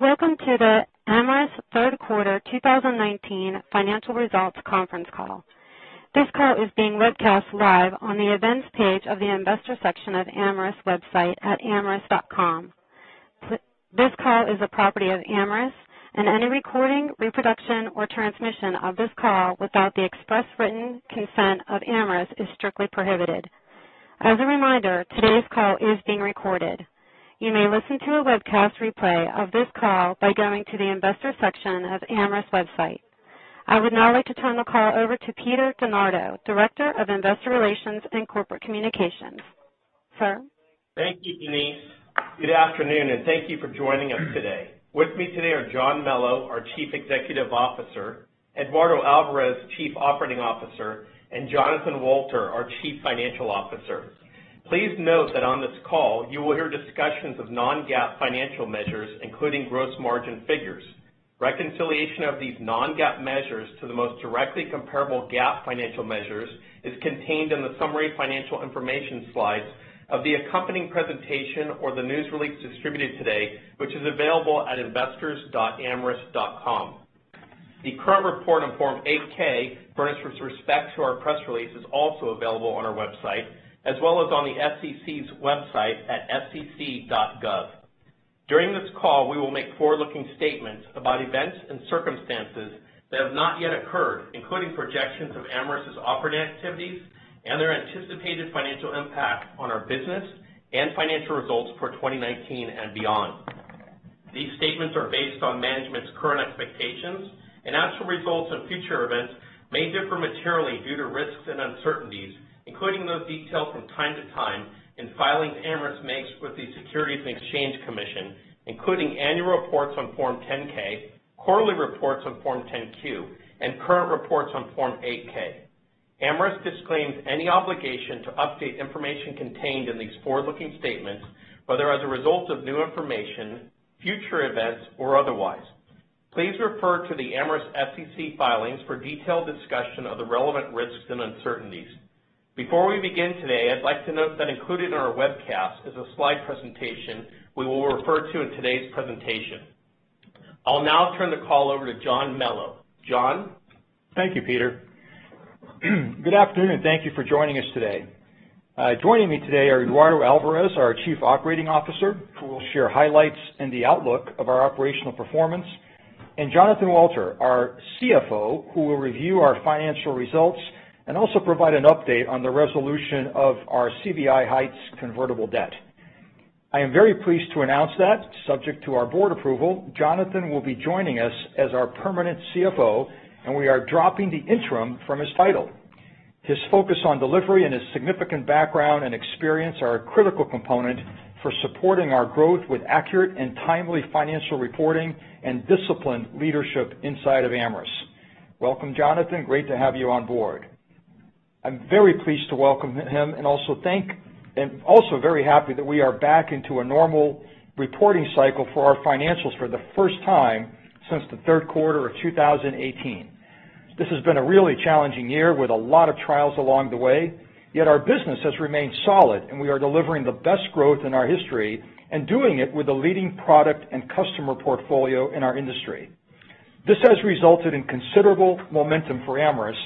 Welcome to the Amyris third quarter 2019 financial results conference call. This call is being webcast live on the events page of the investor section of Amyris website at amyris.com. This call is the property of Amyris, and any recording, reproduction, or transmission of this call without the express written consent of Amyris is strictly prohibited. As a reminder, today's call is being recorded. You may listen to a webcast replay of this call by going to the investor section of Amyris website. I would now like to turn the call over to Peter DeNardo, Director of Investor Relations and Corporate Communications. Sir? Thank you, Denise. Good afternoon, and thank you for joining us today. With me today are John Melo, our Chief Executive Officer, Eduardo Alvarez, Chief Operating Officer, and Jonathan Wolter, our Chief Financial Officer. Please note that on this call you will hear discussions of non-GAAP financial measures, including gross margin figures. Reconciliation of these non-GAAP measures to the most directly comparable GAAP financial measures is contained in the summary financial information slides of the accompanying presentation or the news release distributed today, which is available at investors.amyris.com. The current report on Form 8-K, with respect to our press release, is also available on our website, as well as on the SEC's website at sec.gov. During this call, we will make forward-looking statements about events and circumstances that have not yet occurred, including projections of Amyris's operating activities and their anticipated financial impact on our business and financial results for 2019 and beyond. These statements are based on management's current expectations, and actual results and future events may differ materially due to risks and uncertainties, including those detailed from time to time in filings Amyris makes with the Securities and Exchange Commission, including annual reports on Form 10-K, quarterly reports on Form 10-Q, and current reports on Form 8-K. Amyris disclaims any obligation to update information contained in these forward-looking statements, whether as a result of new information, future events, or otherwise. Please refer to the Amyris SEC filings for detailed discussion of the relevant risks and uncertainties. Before we begin today, I'd like to note that included in our webcast is a slide presentation we will refer to in today's presentation. I'll now turn the call over to John Melo. John? Thank you, Peter. Good afternoon, and thank you for joining us today. Joining me today are Eduardo Alvarez, our Chief Operating Officer, who will share highlights and the outlook of our operational performance, and Jonathan Wolter, our CFO, who will review our financial results and also provide an update on the resolution of our CVI Heights convertible debt. I am very pleased to announce that, subject to our board approval, Jonathan will be joining us as our permanent CFO, and we are dropping the interim from his title. His focus on delivery and his significant background and experience are a critical component for supporting our growth with accurate and timely financial reporting and disciplined leadership inside of Amyris. Welcome, Jonathan. Great to have you on board. I'm very pleased to welcome him and also thank, and also very happy that we are back into a normal reporting cycle for our financials for the first time since the third quarter of 2018. This has been a really challenging year with a lot of trials along the way, yet our business has remained solid, and we are delivering the best growth in our history and doing it with a leading product and customer portfolio in our industry. This has resulted in considerable momentum for Amyris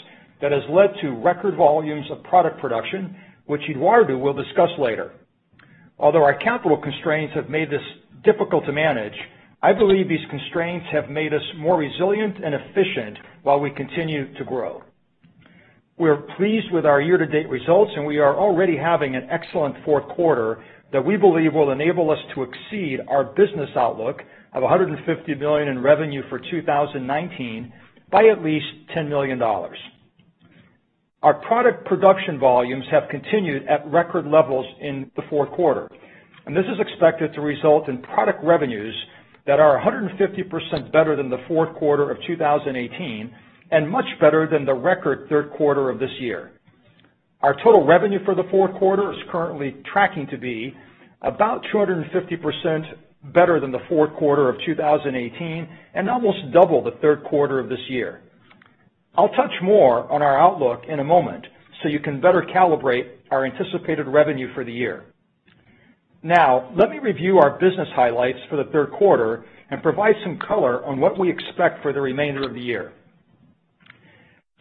that has led to record volumes of product production, which Eduardo will discuss later. Although our capital constraints have made this difficult to manage, I believe these constraints have made us more resilient and efficient while we continue to grow. We're pleased with our year-to-date results, and we are already having an excellent fourth quarter that we believe will enable us to exceed our business outlook of $150 million in revenue for 2019 by at least $10 million. Our product production volumes have continued at record levels in the fourth quarter, and this is expected to result in product revenues that are 150% better than the fourth quarter of 2018 and much better than the record third quarter of this year. Our total revenue for the fourth quarter is currently tracking to be about 250% better than the fourth quarter of 2018 and almost double the third quarter of this year. I'll touch more on our outlook in a moment so you can better calibrate our anticipated revenue for the year. Now, let me review our business highlights for the third quarter and provide some color on what we expect for the remainder of the year.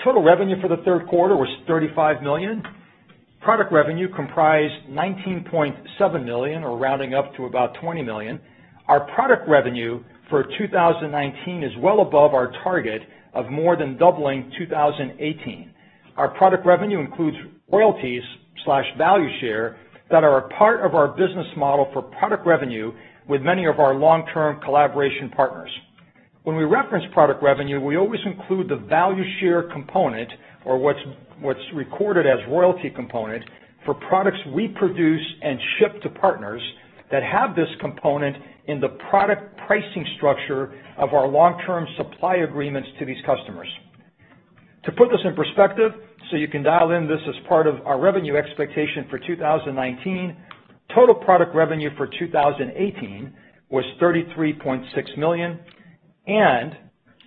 Total revenue for the third quarter was $35 million. Product revenue comprised $19.7 million, or rounding up to about $20 million. Our product revenue for 2019 is well above our target of more than doubling 2018. Our product revenue includes royalties/value share that are a part of our business model for product revenue with many of our long-term collaboration partners. When we reference product revenue, we always include the value share component, or what's recorded as royalty component, for products we produce and ship to partners that have this component in the product pricing structure of our long-term supply agreements to these customers. To put this in perspective, so you can dial in this as part of our revenue expectation for 2019, total product revenue for 2018 was $33.6 million, and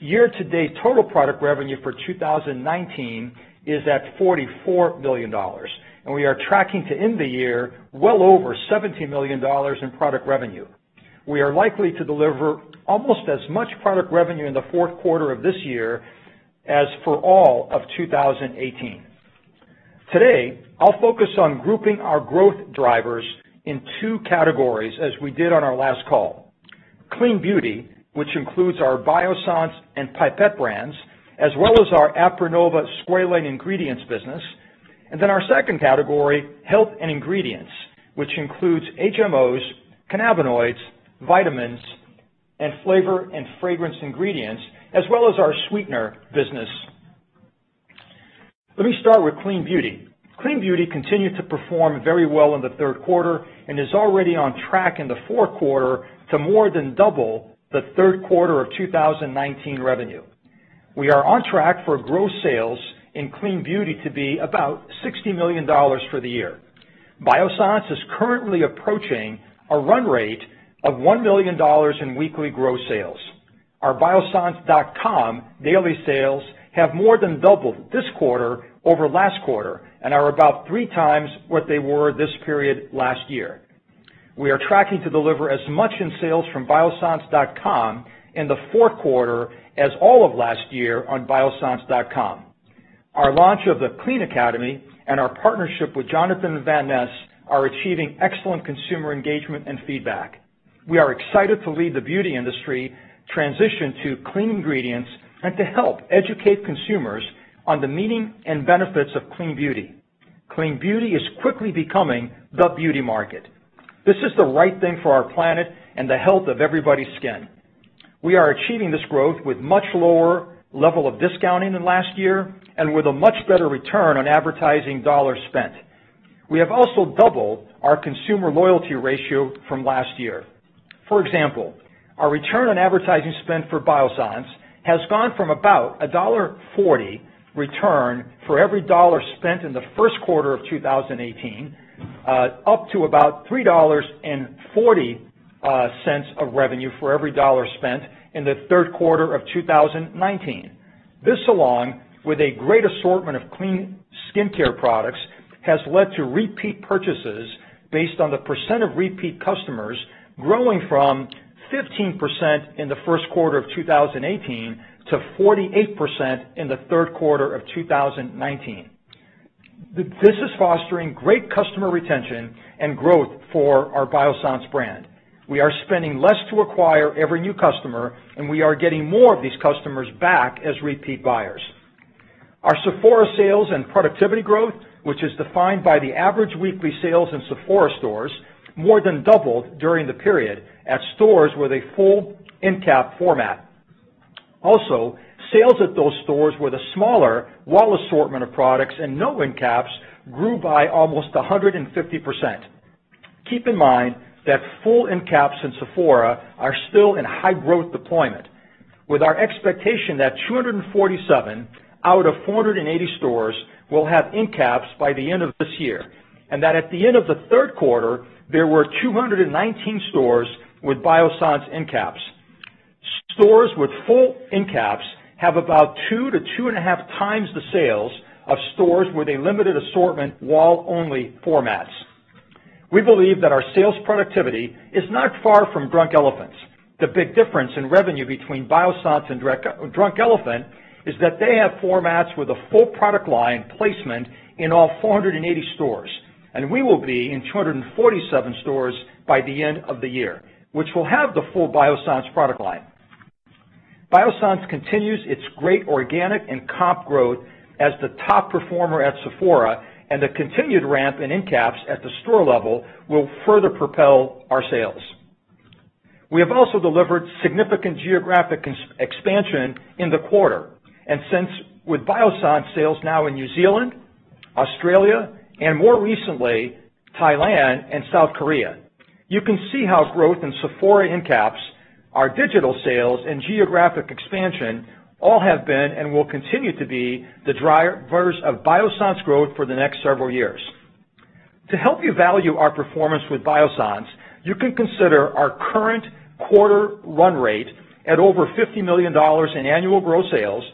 year-to-date total product revenue for 2019 is at $44 million, and we are tracking to end the year well over $17 million in product revenue. We are likely to deliver almost as much product revenue in the fourth quarter of this year as for all of 2018. Today, I'll focus on grouping our growth drivers in two categories as we did on our last call: Clean Beauty, which includes our Biossance and Pipette brands, as well as our Aprinnova squalane ingredients business, and then our second category, Health and Ingredients, which includes HMOs, cannabinoids, vitamins, and flavor and fragrance ingredients, as well as our sweetener business. Let me start with Clean Beauty. Clean Beauty continued to perform very well in the third quarter and is already on track in the fourth quarter to more than double the third quarter of 2019 revenue. We are on track for gross sales in Clean Beauty to be about $60 million for the year. Biossance is currently approaching a run rate of $1 million in weekly gross sales. Our biossance.com daily sales have more than doubled this quarter over last quarter and are about three times what they were this period last year. We are tracking to deliver as much in sales from biossance.com in the fourth quarter as all of last year on biossance.com. Our launch of the Clean Academy and our partnership with Jonathan Van Ness are achieving excellent consumer engagement and feedback. We are excited to lead the beauty industry transition to clean ingredients and to help educate consumers on the meaning and benefits of Clean Beauty. Clean Beauty is quickly becoming the beauty market. This is the right thing for our planet and the health of everybody's skin. We are achieving this growth with much lower level of discounting than last year and with a much better return on advertising dollars spent. We have also doubled our consumer loyalty ratio from last year. For example, our return on advertising spent for Biossance has gone from about $1.40 return for every dollar spent in the first quarter of 2018 up to about $3.40 of revenue for every dollar spent in the third quarter of 2019. This along with a great assortment of clean skincare products has led to repeat purchases based on the % of repeat customers growing from 15% in the first quarter of 2018 to 48% in the third quarter of 2019. This is fostering great customer retention and growth for our Biossance brand. We are spending less to acquire every new customer, and we are getting more of these customers back as repeat buyers. Our Sephora sales and productivity growth, which is defined by the average weekly sales in Sephora stores, more than doubled during the period at stores with a full end-cap format. Also, sales at those stores with a smaller wall assortment of products and no end-caps grew by almost 150%. Keep in mind that full end-caps in Sephora are still in high growth deployment, with our expectation that 247 out of 480 stores will have end-caps by the end of this year and that at the end of the third quarter there were 219 stores with Biossance end-caps. Stores with full end-caps have about two to two and a half times the sales of stores with a limited assortment wall-only formats. We believe that our sales productivity is not far from Drunk Elephant's. The big difference in revenue between Biossance and Drunk Elephant is that they have formats with a full product line placement in all 480 stores, and we will be in 247 stores by the end of the year, which will have the full Biossance product line. Biossance continues its great organic and comps growth as the top performer at Sephora, and the continued ramp in end-caps at the store level will further propel our sales. We have also delivered significant geographic expansion in the quarter, and with Biossance sales now in New Zealand, Australia, and more recently Thailand and South Korea, you can see how growth in Sephora end-caps, our digital sales, and geographic expansion all have been and will continue to be the drivers of Biossance growth for the next several years. To help you value our performance with Biossance, you can consider our current quarter run rate at over $50 million in annual gross sales,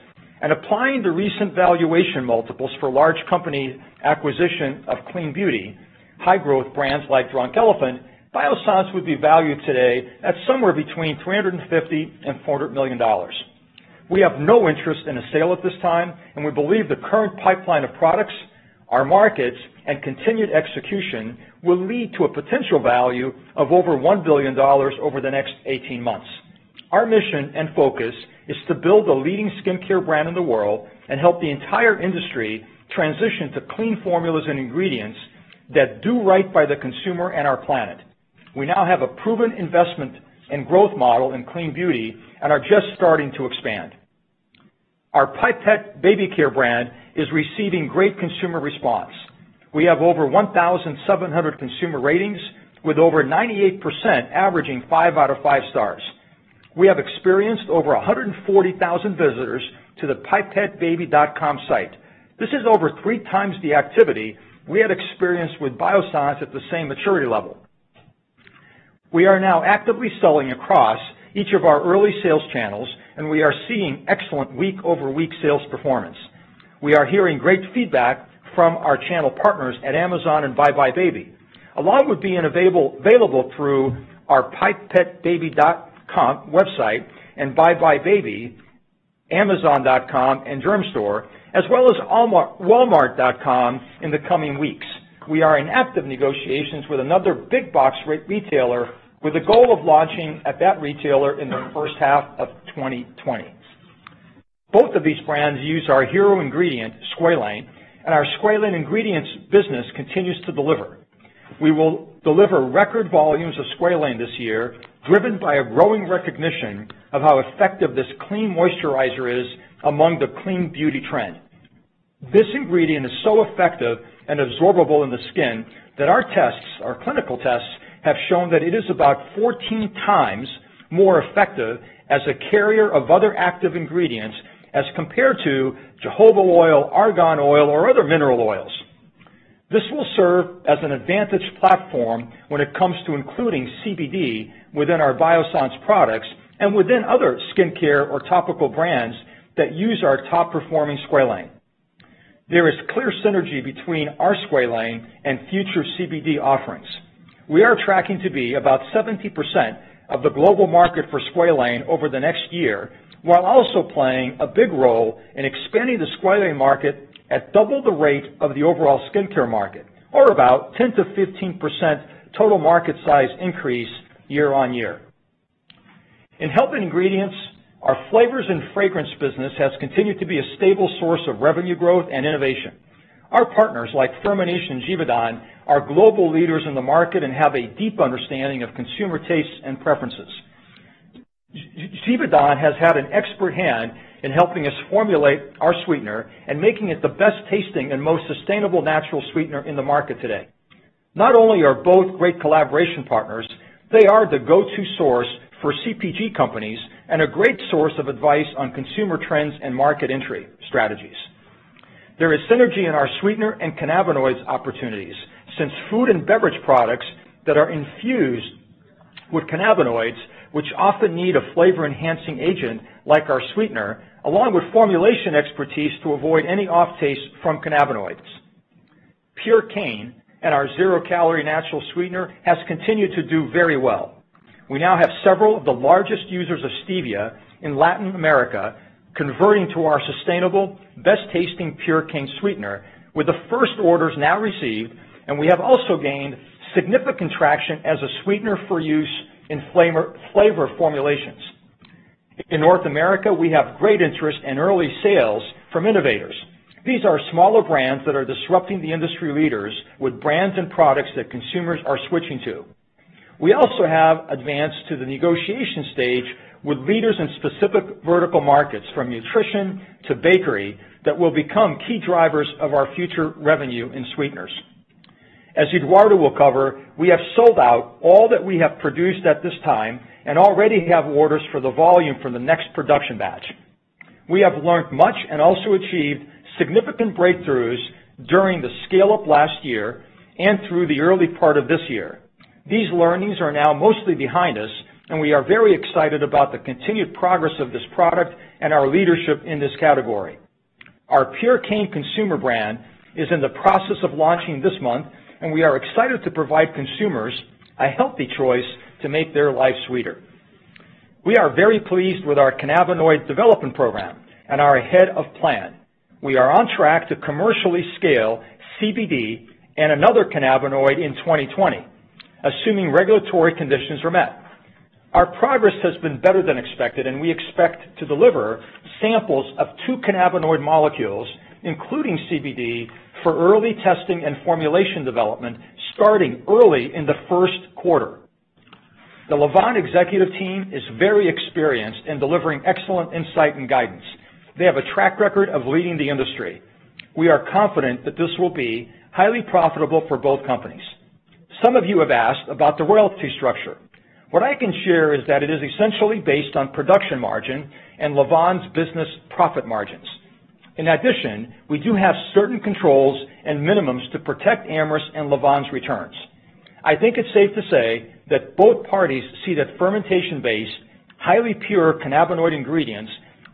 and applying the recent valuation multiples for large company acquisition of Clean Beauty, high growth brands like Drunk Elephant, Biossance would be valued today at somewhere between $350-$400 million. We have no interest in a sale at this time, and we believe the current pipeline of products, our markets, and continued execution will lead to a potential value of over $1 billion over the next 18 months. Our mission and focus is to build the leading skincare brand in the world and help the entire industry transition to clean formulas and ingredients that do right by the consumer and our planet. We now have a proven investment and growth model in Clean Beauty and are just starting to expand. Our Pipette Baby Care brand is receiving great consumer response. We have over 1,700 consumer ratings with over 98% averaging five out of five stars. We have experienced over 140,000 visitors to the pipettebaby.com site. This is over three times the activity we had experienced with Biossance at the same maturity level. We are now actively selling across each of our early sales channels, and we are seeing excellent week-over-week sales performance. We are hearing great feedback from our channel partners at Amazon and buybuy BABY. Pipette would be available through our Pipettebaby.com website and buybuy BABY, Amazon.com, and Dermstore, as well as Walmart.com in the coming weeks. We are in active negotiations with another big box retailer with the goal of launching at that retailer in the first half of 2020. Both of these brands use our hero ingredient, squalane, and our squalane ingredients business continues to deliver. We will deliver record volumes of squalane this year, driven by a growing recognition of how effective this clean moisturizer is among the Clean Beauty trend. This ingredient is so effective and absorbable in the skin that our tests, our clinical tests, have shown that it is about 14 times more effective as a carrier of other active ingredients as compared to jojoba oil, argan oil, or other mineral oils. This will serve as an advantage platform when it comes to including CBD within our Biossance products and within other skincare or topical brands that use our top-performing squalane. There is clear synergy between our squalane and future CBD offerings. We are tracking to be about 70% of the global market for squalane over the next year, while also playing a big role in expanding the squalane market at double the rate of the overall skincare market, or about 10%-15% total market size increase year on year. In health and ingredients, our flavors and fragrance business has continued to be a stable source of revenue growth and innovation. Our partners like Firmenich and Givaudan are global leaders in the market and have a deep understanding of consumer tastes and preferences. Givaudan has had an expert hand in helping us formulate our sweetener and making it the best tasting and most sustainable natural sweetener in the market today. Not only are both great collaboration partners, they are the go-to source for CPG companies and a great source of advice on consumer trends and market entry strategies. There is synergy in our sweetener and cannabinoids opportunities since food and beverage products that are infused with cannabinoids, which often need a flavor-enhancing agent like our sweetener, along with formulation expertise to avoid any off taste from cannabinoids. Purecane and our zero-calorie natural sweetener has continued to do very well. We now have several of the largest users of stevia in Latin America converting to our sustainable, best-tasting Purecane sweetener, with the first orders now received, and we have also gained significant traction as a sweetener for use in flavor formulations. In North America, we have great interest in early sales from innovators. These are smaller brands that are disrupting the industry leaders with brands and products that consumers are switching to. We also have advanced to the negotiation stage with leaders in specific vertical markets from nutrition to bakery that will become key drivers of our future revenue in sweeteners. As Eduardo will cover, we have sold out all that we have produced at this time and already have orders for the volume for the next production batch. We have learned much and also achieved significant breakthroughs during the scale-up last year and through the early part of this year. These learnings are now mostly behind us, and we are very excited about the continued progress of this product and our leadership in this category. Our Purecane consumer brand is in the process of launching this month, and we are excited to provide consumers a healthy choice to make their life sweeter. We are very pleased with our cannabinoid development program and our ahead-of-plan. We are on track to commercially scale CBD and another cannabinoid in 2020, assuming regulatory conditions are met. Our progress has been better than expected, and we expect to deliver samples of two cannabinoid molecules, including CBD, for early testing and formulation development starting early in the first quarter. The Lavvan executive team is very experienced in delivering excellent insight and guidance. They have a track record of leading the industry. We are confident that this will be highly profitable for both companies. Some of you have asked about the royalty structure. What I can share is that it is essentially based on production margin and Lavvan's business profit margins. In addition, we do have certain controls and minimums to protect Amyris and Lavvan's returns. I think it's safe to say that both parties see that fermentation-based, highly pure cannabinoid ingredients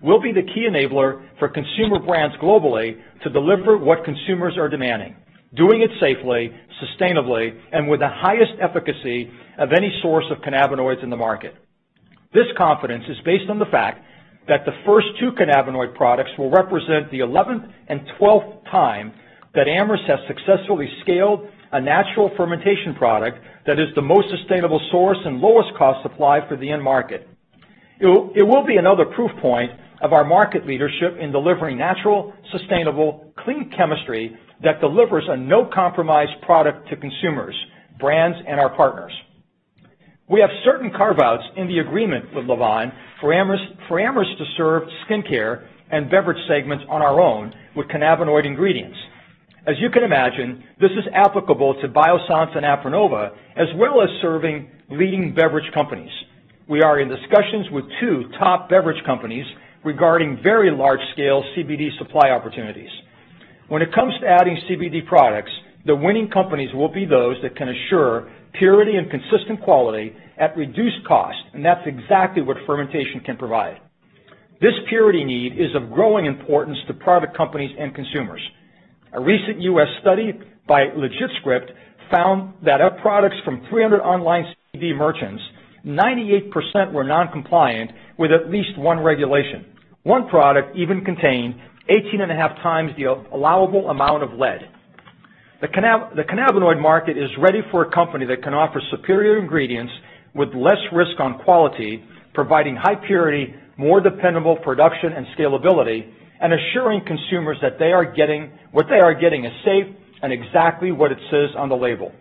will be the key enabler for consumer brands globally to deliver what consumers are demanding, doing it safely, sustainably, and with the highest efficacy of any source of cannabinoids in the market. This confidence is based on the fact that the first two cannabinoid products will represent the 11th and 12th time that Amyris has successfully scaled a natural fermentation product that is the most sustainable source and lowest cost supply for the end market. It will be another proof point of our market leadership in delivering natural, sustainable, clean chemistry that delivers a no-compromise product to consumers, brands, and our partners. We have certain carve-outs in the agreement with Lavvan for Amyris to serve skincare and beverage segments on our own with cannabinoid ingredients. As you can imagine, this is applicable to Biossance and Aprinnova, as well as serving leading beverage companies. We are in discussions with two top beverage companies regarding very large-scale CBD supply opportunities. When it comes to adding CBD products, the winning companies will be those that can assure purity and consistent quality at reduced cost, and that's exactly what fermentation can provide. This purity need is of growing importance to private companies and consumers. A recent U.S. study by LegitScript found that of products from 300 online CBD merchants, 98% were non-compliant with at least one regulation. One product even contained 18 and a half times the allowable amount of lead. The cannabinoid market is ready for a company that can offer superior ingredients with less risk on quality, providing high purity, more dependable production and scalability, and assuring consumers that they are getting what they are getting is safe and exactly what it says on the label.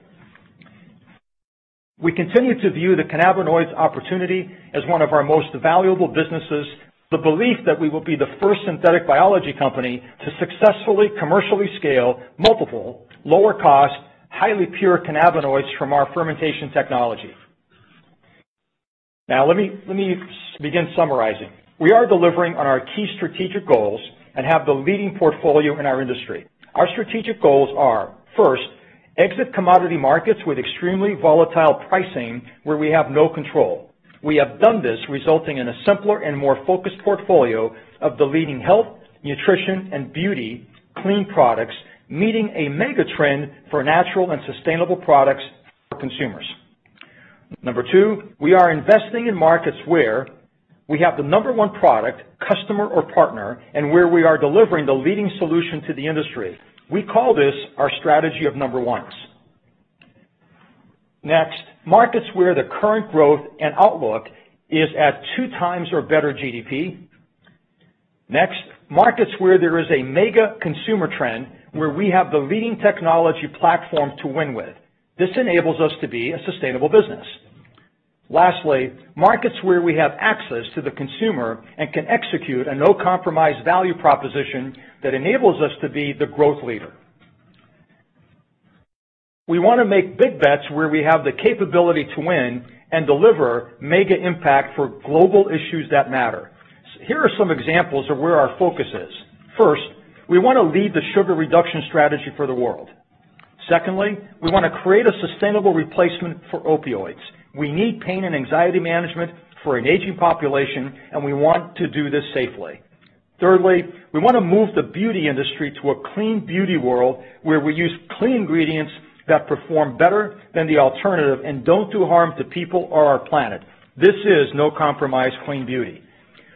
We continue to view the cannabinoids opportunity as one of our most valuable businesses. The belief that we will be the first synthetic biology company to successfully commercially scale multiple, lower-cost, highly pure cannabinoids from our fermentation technology. Now, let me begin summarizing. We are delivering on our key strategic goals and have the leading portfolio in our industry. Our strategic goals are, first, exit commodity markets with extremely volatile pricing where we have no control. We have done this, resulting in a simpler and more focused portfolio of leading health, nutrition, and beauty clean products, meeting a mega trend for natural and sustainable products for consumers. Number two, we are investing in markets where we have the number one product, customer or partner, and where we are delivering the leading solution to the industry. We call this our strategy of number ones. Next, markets where the current growth and outlook is at two times or better GDP. Next, markets where there is a mega consumer trend where we have the leading technology platform to win with. This enables us to be a sustainable business. Lastly, markets where we have access to the consumer and can execute a no-compromise value proposition that enables us to be the growth leader. We want to make big bets where we have the capability to win and deliver mega impact for global issues that matter. Here are some examples of where our focus is. First, we want to lead the sugar reduction strategy for the world. Secondly, we want to create a sustainable replacement for opioids. We need pain and anxiety management for an aging population, and we want to do this safely. Thirdly, we want to move the beauty industry to a clean beauty world where we use clean ingredients that perform better than the alternative and don't do harm to people or our planet. This is no-compromise clean beauty,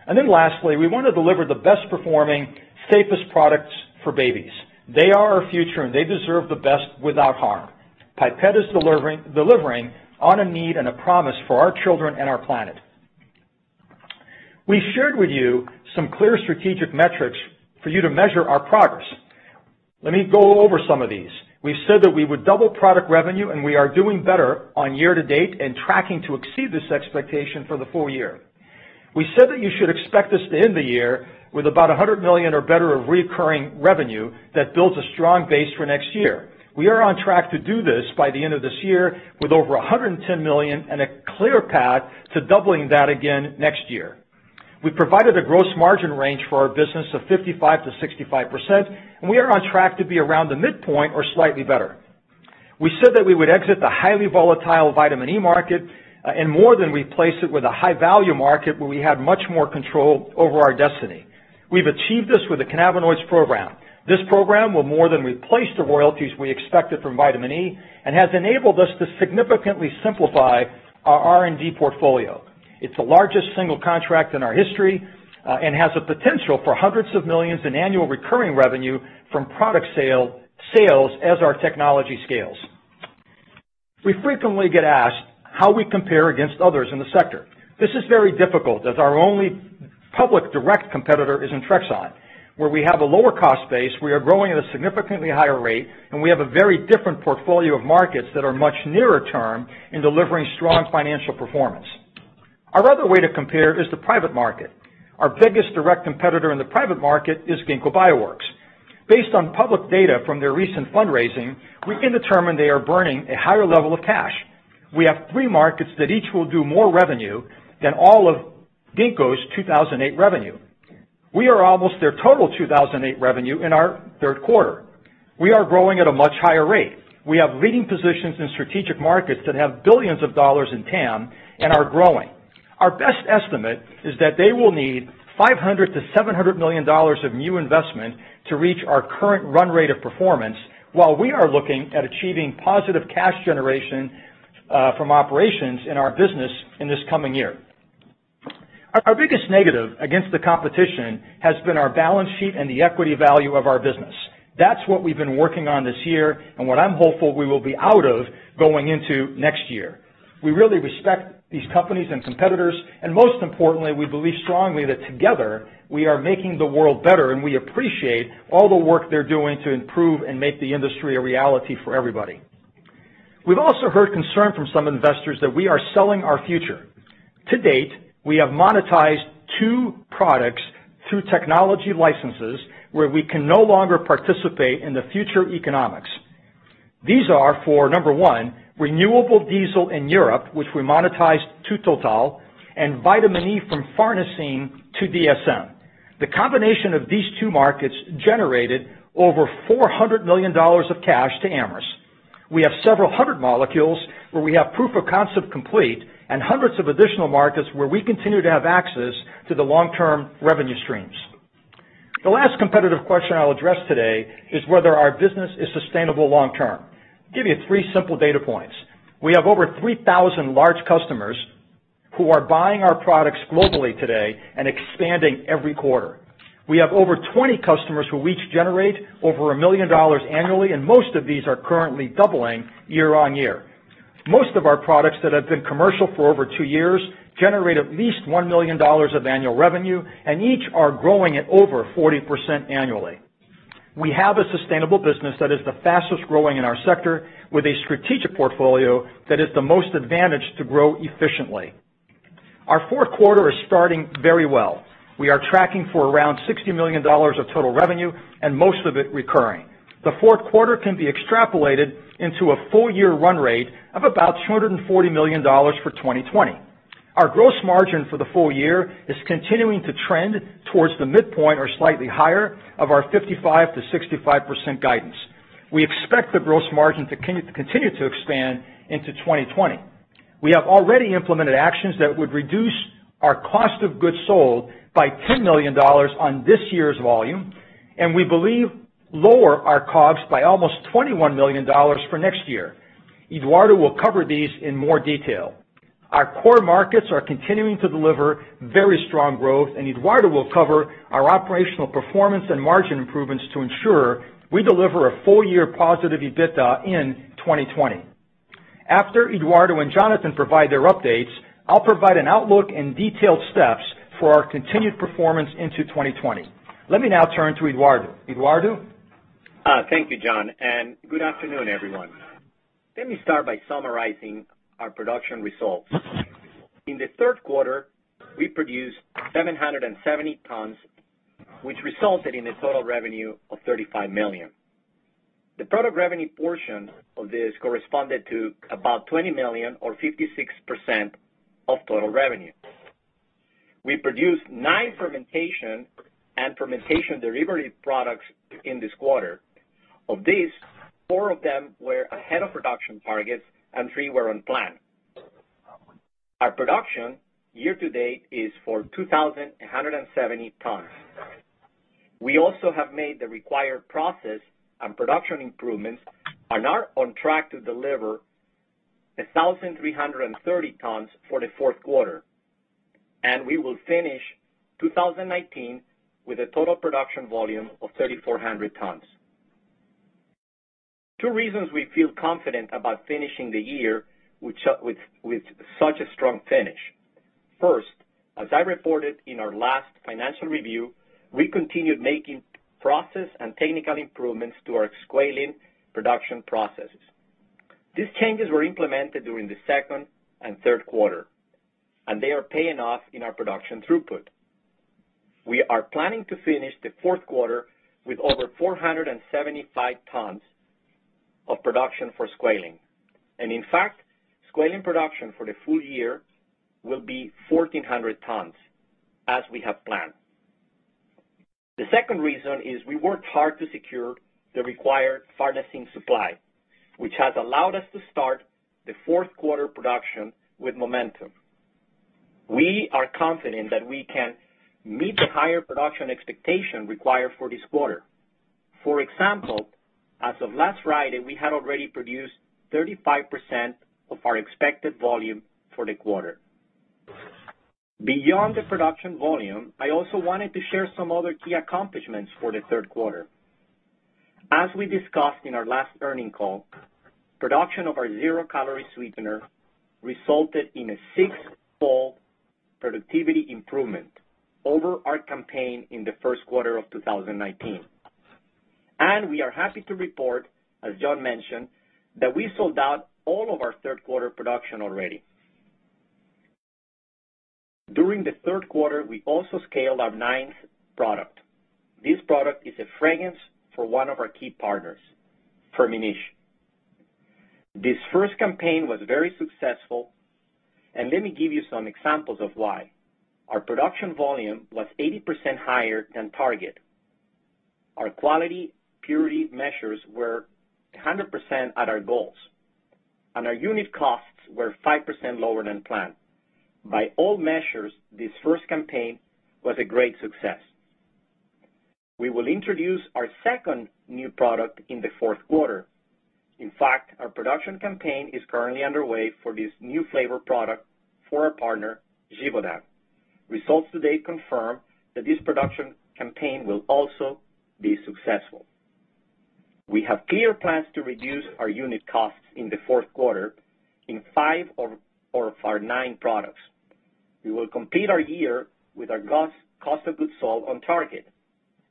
and then lastly, we want to deliver the best-performing, safest products for babies. They are our future, and they deserve the best without harm. Pipette is delivering on a need and a promise for our children and our planet. We shared with you some clear strategic metrics for you to measure our progress. Let me go over some of these. We said that we would double product revenue, and we are doing better on year to date and tracking to exceed this expectation for the full year. We said that you should expect us to end the year with about $100 million or better of recurring revenue that builds a strong base for next year. We are on track to do this by the end of this year with over $110 million and a clear path to doubling that again next year. We provided a gross margin range for our business of 55%-65%, and we are on track to be around the midpoint or slightly better. We said that we would exit the highly volatile vitamin E market and more than replace it with a high-value market where we had much more control over our destiny. We've achieved this with the cannabinoids program. This program will more than replace the royalties we expected from vitamin E and has enabled us to significantly simplify our R&D portfolio. It's the largest single contract in our history and has a potential for hundreds of millions in annual recurring revenue from product sales as our technology scales. We frequently get asked how we compare against others in the sector. This is very difficult as our only public direct competitor is Intrexon, where we have a lower-cost base. We are growing at a significantly higher rate, and we have a very different portfolio of markets that are much nearer term in delivering strong financial performance. Our other way to compare is the private market. Our biggest direct competitor in the private market is Ginkgo Bioworks. Based on public data from their recent fundraising, we can determine they are burning a higher level of cash. We have three markets that each will do more revenue than all of Ginkgo's 2008 revenue. We are almost their total 2008 revenue in our third quarter. We are growing at a much higher rate. We have leading positions in strategic markets that have billions of dollars in TAM and are growing. Our best estimate is that they will need $500-$700 million of new investment to reach our current run rate of performance while we are looking at achieving positive cash generation from operations in our business in this coming year. Our biggest negative against the competition has been our balance sheet and the equity value of our business. That's what we've been working on this year and what I'm hopeful we will be out of going into next year. We really respect these companies and competitors, and most importantly, we believe strongly that together we are making the world better, and we appreciate all the work they're doing to improve and make the industry a reality for everybody. We've also heard concern from some investors that we are selling our future. To date, we have monetized two products through technology licenses where we can no longer participate in the future economics. These are for, number one, renewable diesel in Europe, which we monetized to Total, and vitamin E from farnesene to DSM. The combination of these two markets generated over $400 million of cash to Amyris. We have several hundred molecules where we have proof of concept complete and hundreds of additional markets where we continue to have access to the long-term revenue streams. The last competitive question I'll address today is whether our business is sustainable long-term. I'll give you three simple data points. We have over 3,000 large customers who are buying our products globally today and expanding every quarter. We have over 20 customers who each generate over $1 million annually, and most of these are currently doubling year on year. Most of our products that have been commercial for over two years generate at least $1 million of annual revenue, and each are growing at over 40% annually. We have a sustainable business that is the fastest growing in our sector with a strategic portfolio that is the most advantaged to grow efficiently. Our fourth quarter is starting very well. We are tracking for around $60 million of total revenue and most of it recurring. The fourth quarter can be extrapolated into a full-year run rate of about $240 million for 2020. Our gross margin for the full year is continuing to trend towards the midpoint or slightly higher of our 55%-65% guidance. We expect the gross margin to continue to expand into 2020. We have already implemented actions that would reduce our cost of goods sold by $10 million on this year's volume, and we believe lower our COGS by almost $21 million for next year. Eduardo will cover these in more detail. Our core markets are continuing to deliver very strong growth, and Eduardo will cover our operational performance and margin improvements to ensure we deliver a full-year positive EBITDA in 2020. After Eduardo and Jonathan provide their updates, I'll provide an outlook and detailed steps for our continued performance into 2020. Let me now turn to Eduardo. Eduardo? Thank you, John, and good afternoon, everyone. Let me start by summarizing our production results. In the third quarter, we produced 770 tons, which resulted in a total revenue of $35 million. The product revenue portion of this corresponded to about $20 million or 56% of total revenue. We produced nine fermentation and fermentation delivery products in this quarter. Of these, four of them were ahead of production targets and three were on plan. Our production year to date is for 2,170 tons. We also have made the required process and production improvements and are on track to deliver 1,330 tons for the fourth quarter, and we will finish 2019 with a total production volume of 3,400 tons. Two reasons we feel confident about finishing the year with such a strong finish. First, as I reported in our last financial review, we continued making process and technical improvements to our squalane production processes. These changes were implemented during the second and third quarter, and they are paying off in our production throughput. We are planning to finish the fourth quarter with over 475 tons of production for squalane, and in fact, squalane production for the full year will be 1,400 tons as we have planned. The second reason is we worked hard to secure the required farnesene supply, which has allowed us to start the fourth quarter production with momentum. We are confident that we can meet the higher production expectation required for this quarter. For example, as of last Friday, we had already produced 35% of our expected volume for the quarter. Beyond the production volume, I also wanted to share some other key accomplishments for the third quarter. As we discussed in our last earnings call, production of our zero-calorie sweetener resulted in a six-fold productivity improvement over our campaign in the first quarter of 2019, and we are happy to report, as John mentioned, that we sold out all of our third quarter production already. During the third quarter, we also scaled our ninth product. This product is a fragrance for one of our key partners, Firmenich. This first campaign was very successful, and let me give you some examples of why. Our production volume was 80% higher than target. Our quality purity measures were 100% at our goals, and our unit costs were 5% lower than planned. By all measures, this first campaign was a great success. We will introduce our second new product in the fourth quarter. In fact, our production campaign is currently underway for this new flavor product for our partner, Givaudan. Results to date confirm that this production campaign will also be successful. We have clear plans to reduce our unit costs in the fourth quarter in five of our nine products. We will complete our year with our cost of goods sold on target,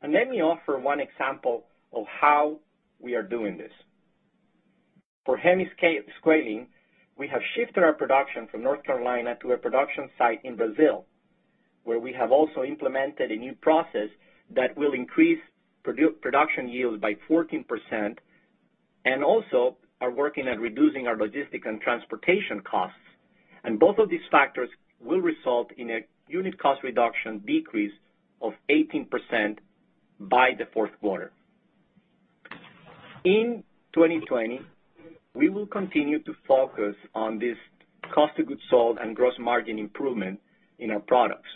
and let me offer one example of how we are doing this. For hemisqualane, we have shifted our production from North Carolina to a production site in Brazil, where we have also implemented a new process that will increase production yield by 14% and also are working at reducing our logistics and transportation costs. Both of these factors will result in a unit cost reduction decrease of 18% by the fourth quarter. In 2020, we will continue to focus on this cost of goods sold and gross margin improvement in our products.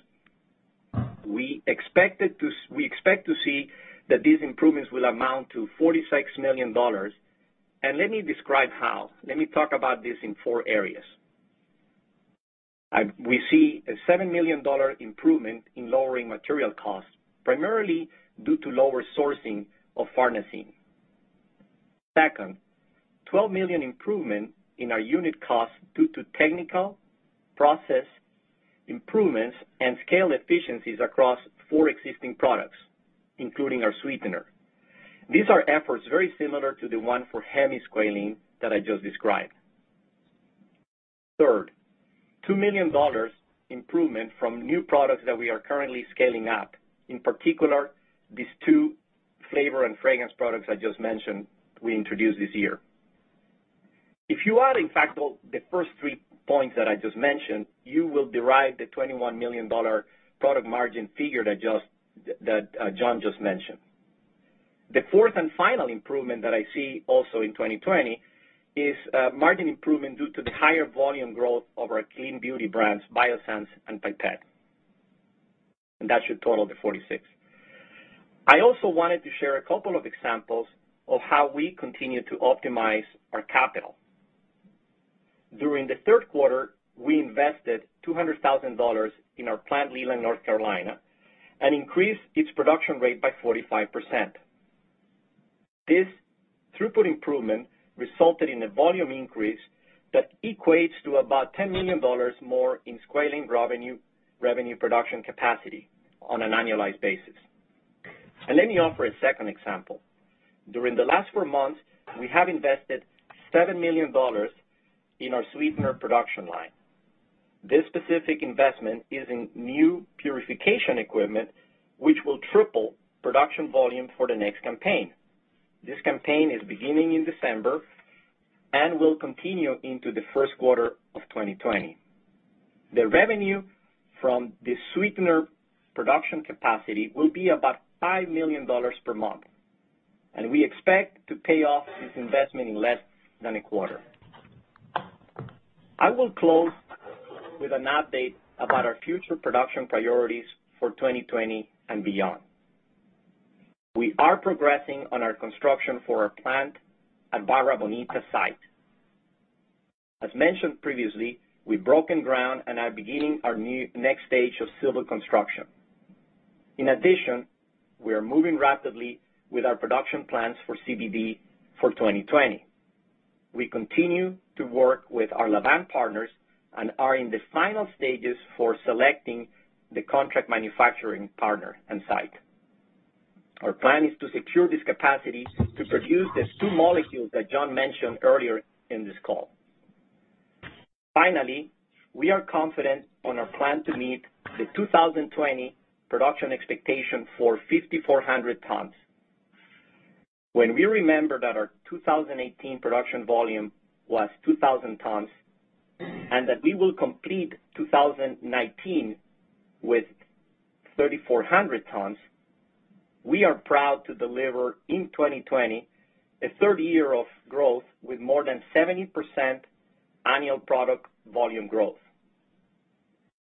We expect to see that these improvements will amount to $46 million, and let me describe how. Let me talk about this in four areas. We see a $7 million improvement in lowering material costs, primarily due to lower sourcing of farnesene. Second, $12 million improvement in our unit costs due to technical process improvements and scale efficiencies across four existing products, including our sweetener. These are efforts very similar to the one for hemisqualane that I just described. Third, $2 million improvement from new products that we are currently scaling up, in particular these two flavor and fragrance products I just mentioned we introduced this year. If you add, in fact, the first three points that I just mentioned, you will derive the $21 million product margin figure that John just mentioned. The fourth and final improvement that I see also in 2020 is margin improvement due to the higher volume growth of our clean beauty brands, Biossance and Pipette, and that should total the $46 million. I also wanted to share a couple of examples of how we continue to optimize our capital. During the third quarter, we invested $200,000 in our plant Leland, North Carolina, and increased its production rate by 45%. This throughput improvement resulted in a volume increase that equates to about $10 million more in squalane revenue production capacity on an annualized basis. Let me offer a second example. During the last four months, we have invested $7 million in our sweetener production line. This specific investment is in new purification equipment, which will triple production volume for the next campaign. This campaign is beginning in December and will continue into the first quarter of 2020. The revenue from the sweetener production capacity will be about $5 million per month, and we expect to pay off this investment in less than a quarter. I will close with an update about our future production priorities for 2020 and beyond. We are progressing on our construction for our plant at Barra Bonita site. As mentioned previously, we've broken ground and are beginning our next stage of civil construction. In addition, we are moving rapidly with our production plans for CBD for 2020. We continue to work with our Lavvan partners and are in the final stages for selecting the contract manufacturing partner and site. Our plan is to secure this capacity to produce the two molecules that John mentioned earlier in this call. Finally, we are confident on our plan to meet the 2020 production expectation for 5,400 tons. When we remember that our 2018 production volume was 2,000 tons and that we will complete 2019 with 3,400 tons, we are proud to deliver in 2020 a third year of growth with more than 70% annual product volume growth.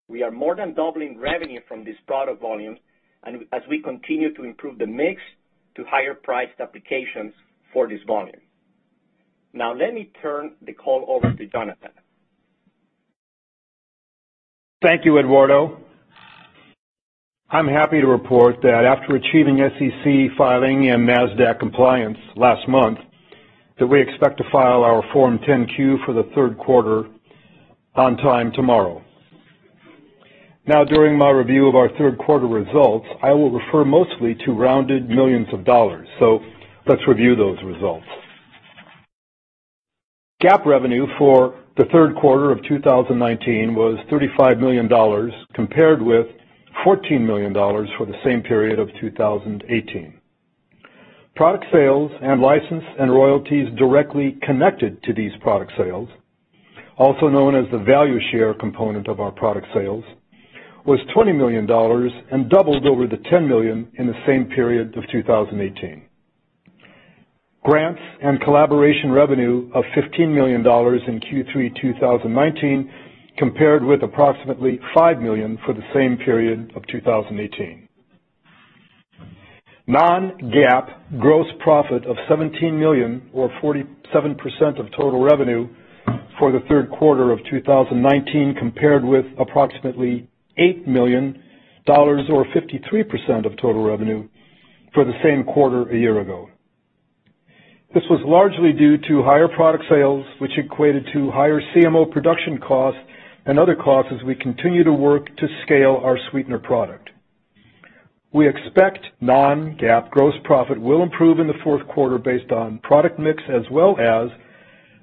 We are more than doubling revenue from this product volume, and as we continue to improve the mix to higher priced applications for this volume. Now, let me turn the call over to Jonathan. Thank you, Eduardo. I'm happy to report that after achieving SEC filing and NASDAQ compliance last month, that we expect to file our Form 10-Q for the third quarter on time tomorrow. Now, during my review of our third quarter results, I will refer mostly to rounded millions of dollars, so let's review those results. GAAP revenue for the third quarter of 2019 was $35 million compared with $14 million for the same period of 2018. Product sales and license and royalties directly connected to these product sales, also known as the value share component of our product sales, was $20 million and doubled over the $10 million in the same period of 2018. Grants and collaboration revenue of $15 million in Q3 2019 compared with approximately $5 million for the same period of 2018. Non-GAAP gross profit of $17 million or 47% of total revenue for the third quarter of 2019 compared with approximately $8 million or 53% of total revenue for the same quarter a year ago. This was largely due to higher product sales, which equated to higher CMO production costs and other costs as we continue to work to scale our sweetener product. We expect non-GAAP gross profit will improve in the fourth quarter based on product mix as well as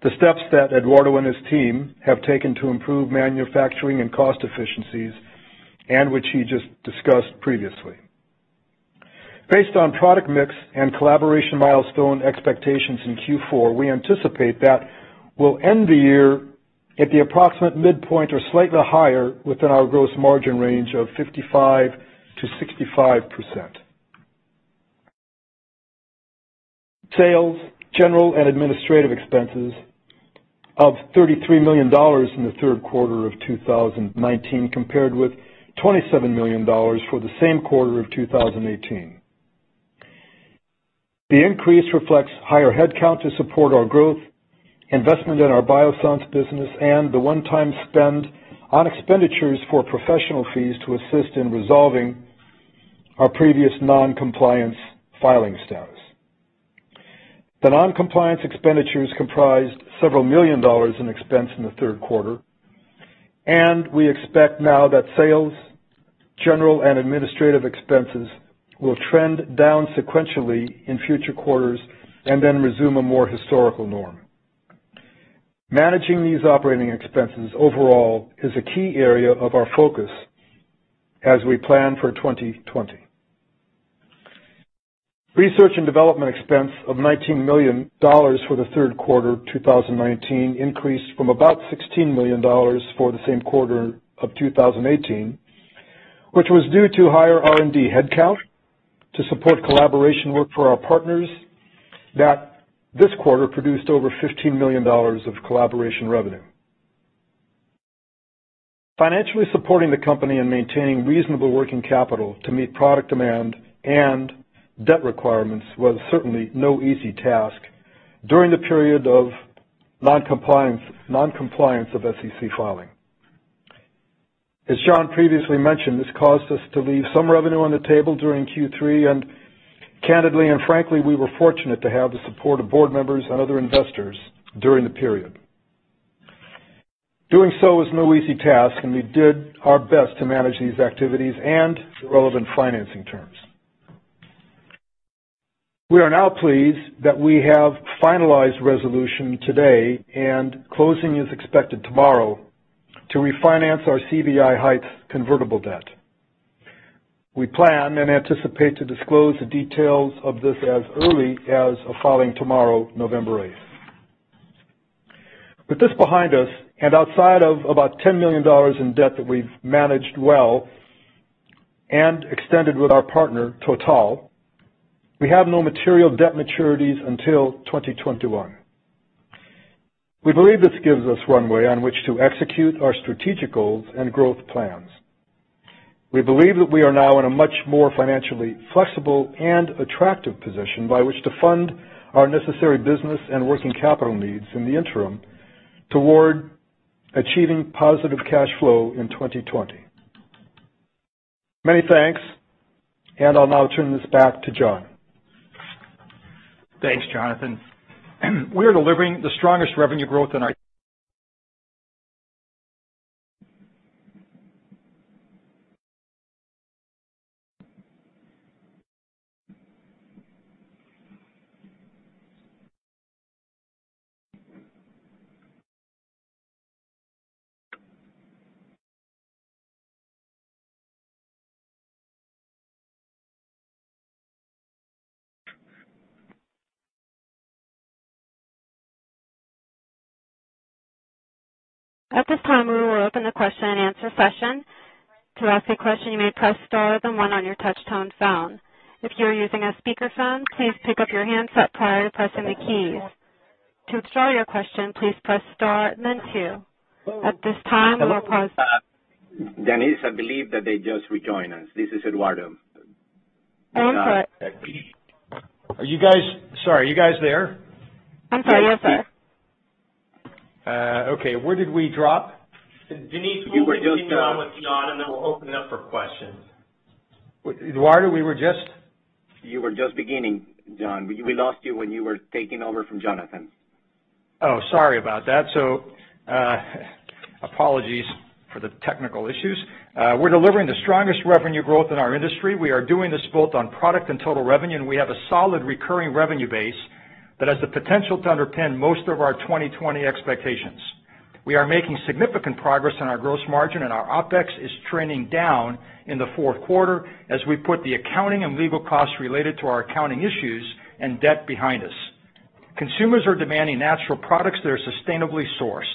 the steps that Eduardo and his team have taken to improve manufacturing and cost efficiencies and which he just discussed previously. Based on product mix and collaboration milestone expectations in Q4, we anticipate that we'll end the year at the approximate midpoint or slightly higher within our gross margin range of 55%-65%. Sales, general and administrative expenses of $33 million in the third quarter of 2019 compared with $27 million for the same quarter of 2018. The increase reflects higher headcount to support our growth, investment in our Biossance business, and the one-time spend on expenditures for professional fees to assist in resolving our previous non-compliance filing status. The non-compliance expenditures comprised several million dollars in expense in the third quarter, and we expect now that sales, general and administrative expenses will trend down sequentially in future quarters and then resume a more historical norm. Managing these operating expenses overall is a key area of our focus as we plan for 2020. Research and development expense of $19 million for the third quarter 2019 increased from about $16 million for the same quarter of 2018, which was due to higher R&D headcount to support collaboration work for our partners that this quarter produced over $15 million of collaboration revenue. Financially supporting the company and maintaining reasonable working capital to meet product demand and debt requirements was certainly no easy task during the period of non-compliance of SEC filing. As John previously mentioned, this caused us to leave some revenue on the table during Q3, and candidly and frankly, we were fortunate to have the support of board members and other investors during the period. Doing so was no easy task, and we did our best to manage these activities and relevant financing terms. We are now pleased that we have finalized resolution today and closing is expected tomorrow to refinance our CVI Heights convertible debt. We plan and anticipate to disclose the details of this as early as a filing tomorrow, November 8th. With this behind us and outside of about $10 million in debt that we've managed well and extended with our partner, Total, we have no material debt maturities until 2021. We believe this gives us runway on which to execute our strategic goals and growth plans. We believe that we are now in a much more financially flexible and attractive position by which to fund our necessary business and working capital needs in the interim toward achieving positive cash flow in 2020. Many thanks, and I'll now turn this back to John. Thanks, Jonathan. We are delivering the strongest revenue growth in our history. At this time, we will open the question and answer session. To ask a question, you may press star then one on your touch-tone phone. If you are using a speakerphone, please pick up the handset prior to pressing the keys. To withdraw your question, please press star then two. At this time, we'll pause. Denise, I believe that they just rejoined us. This is Eduardo. I'm sorry. Are you guys there? I'm sorry. Yes, sir. Okay. Where did we drop? Denise, we were just with John, and then we'll open it up for questions. Eduardo, we were just? You were just beginning, John. We lost you when you were taking over from Jonathan. Oh, sorry about that. So apologies for the technical issues. We're delivering the strongest revenue growth in our industry. We are doing this both on product and total revenue, and we have a solid recurring revenue base that has the potential to underpin most of our 2020 expectations. We are making significant progress on our gross margin, and our OpEx is trending down in the fourth quarter as we put the accounting and legal costs related to our accounting issues and debt behind us. Consumers are demanding natural products that are sustainably sourced.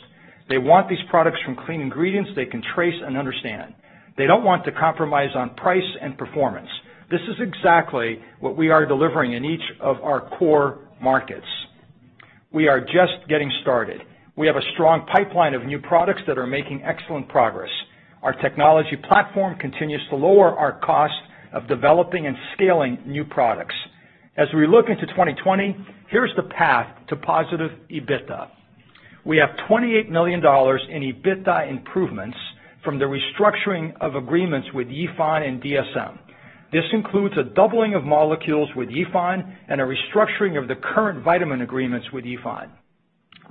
They want these products from clean ingredients they can trace and understand. They don't want to compromise on price and performance. This is exactly what we are delivering in each of our core markets. We are just getting started. We have a strong pipeline of new products that are making excellent progress. Our technology platform continues to lower our cost of developing and scaling new products. As we look into 2020, here's the path to positive EBITDA. We have $28 million in EBITDA improvements from the restructuring of agreements withYifan and DSM. This includes a doubling of molecules with Yifan and a restructuring of the current vitamin agreements with Yifan.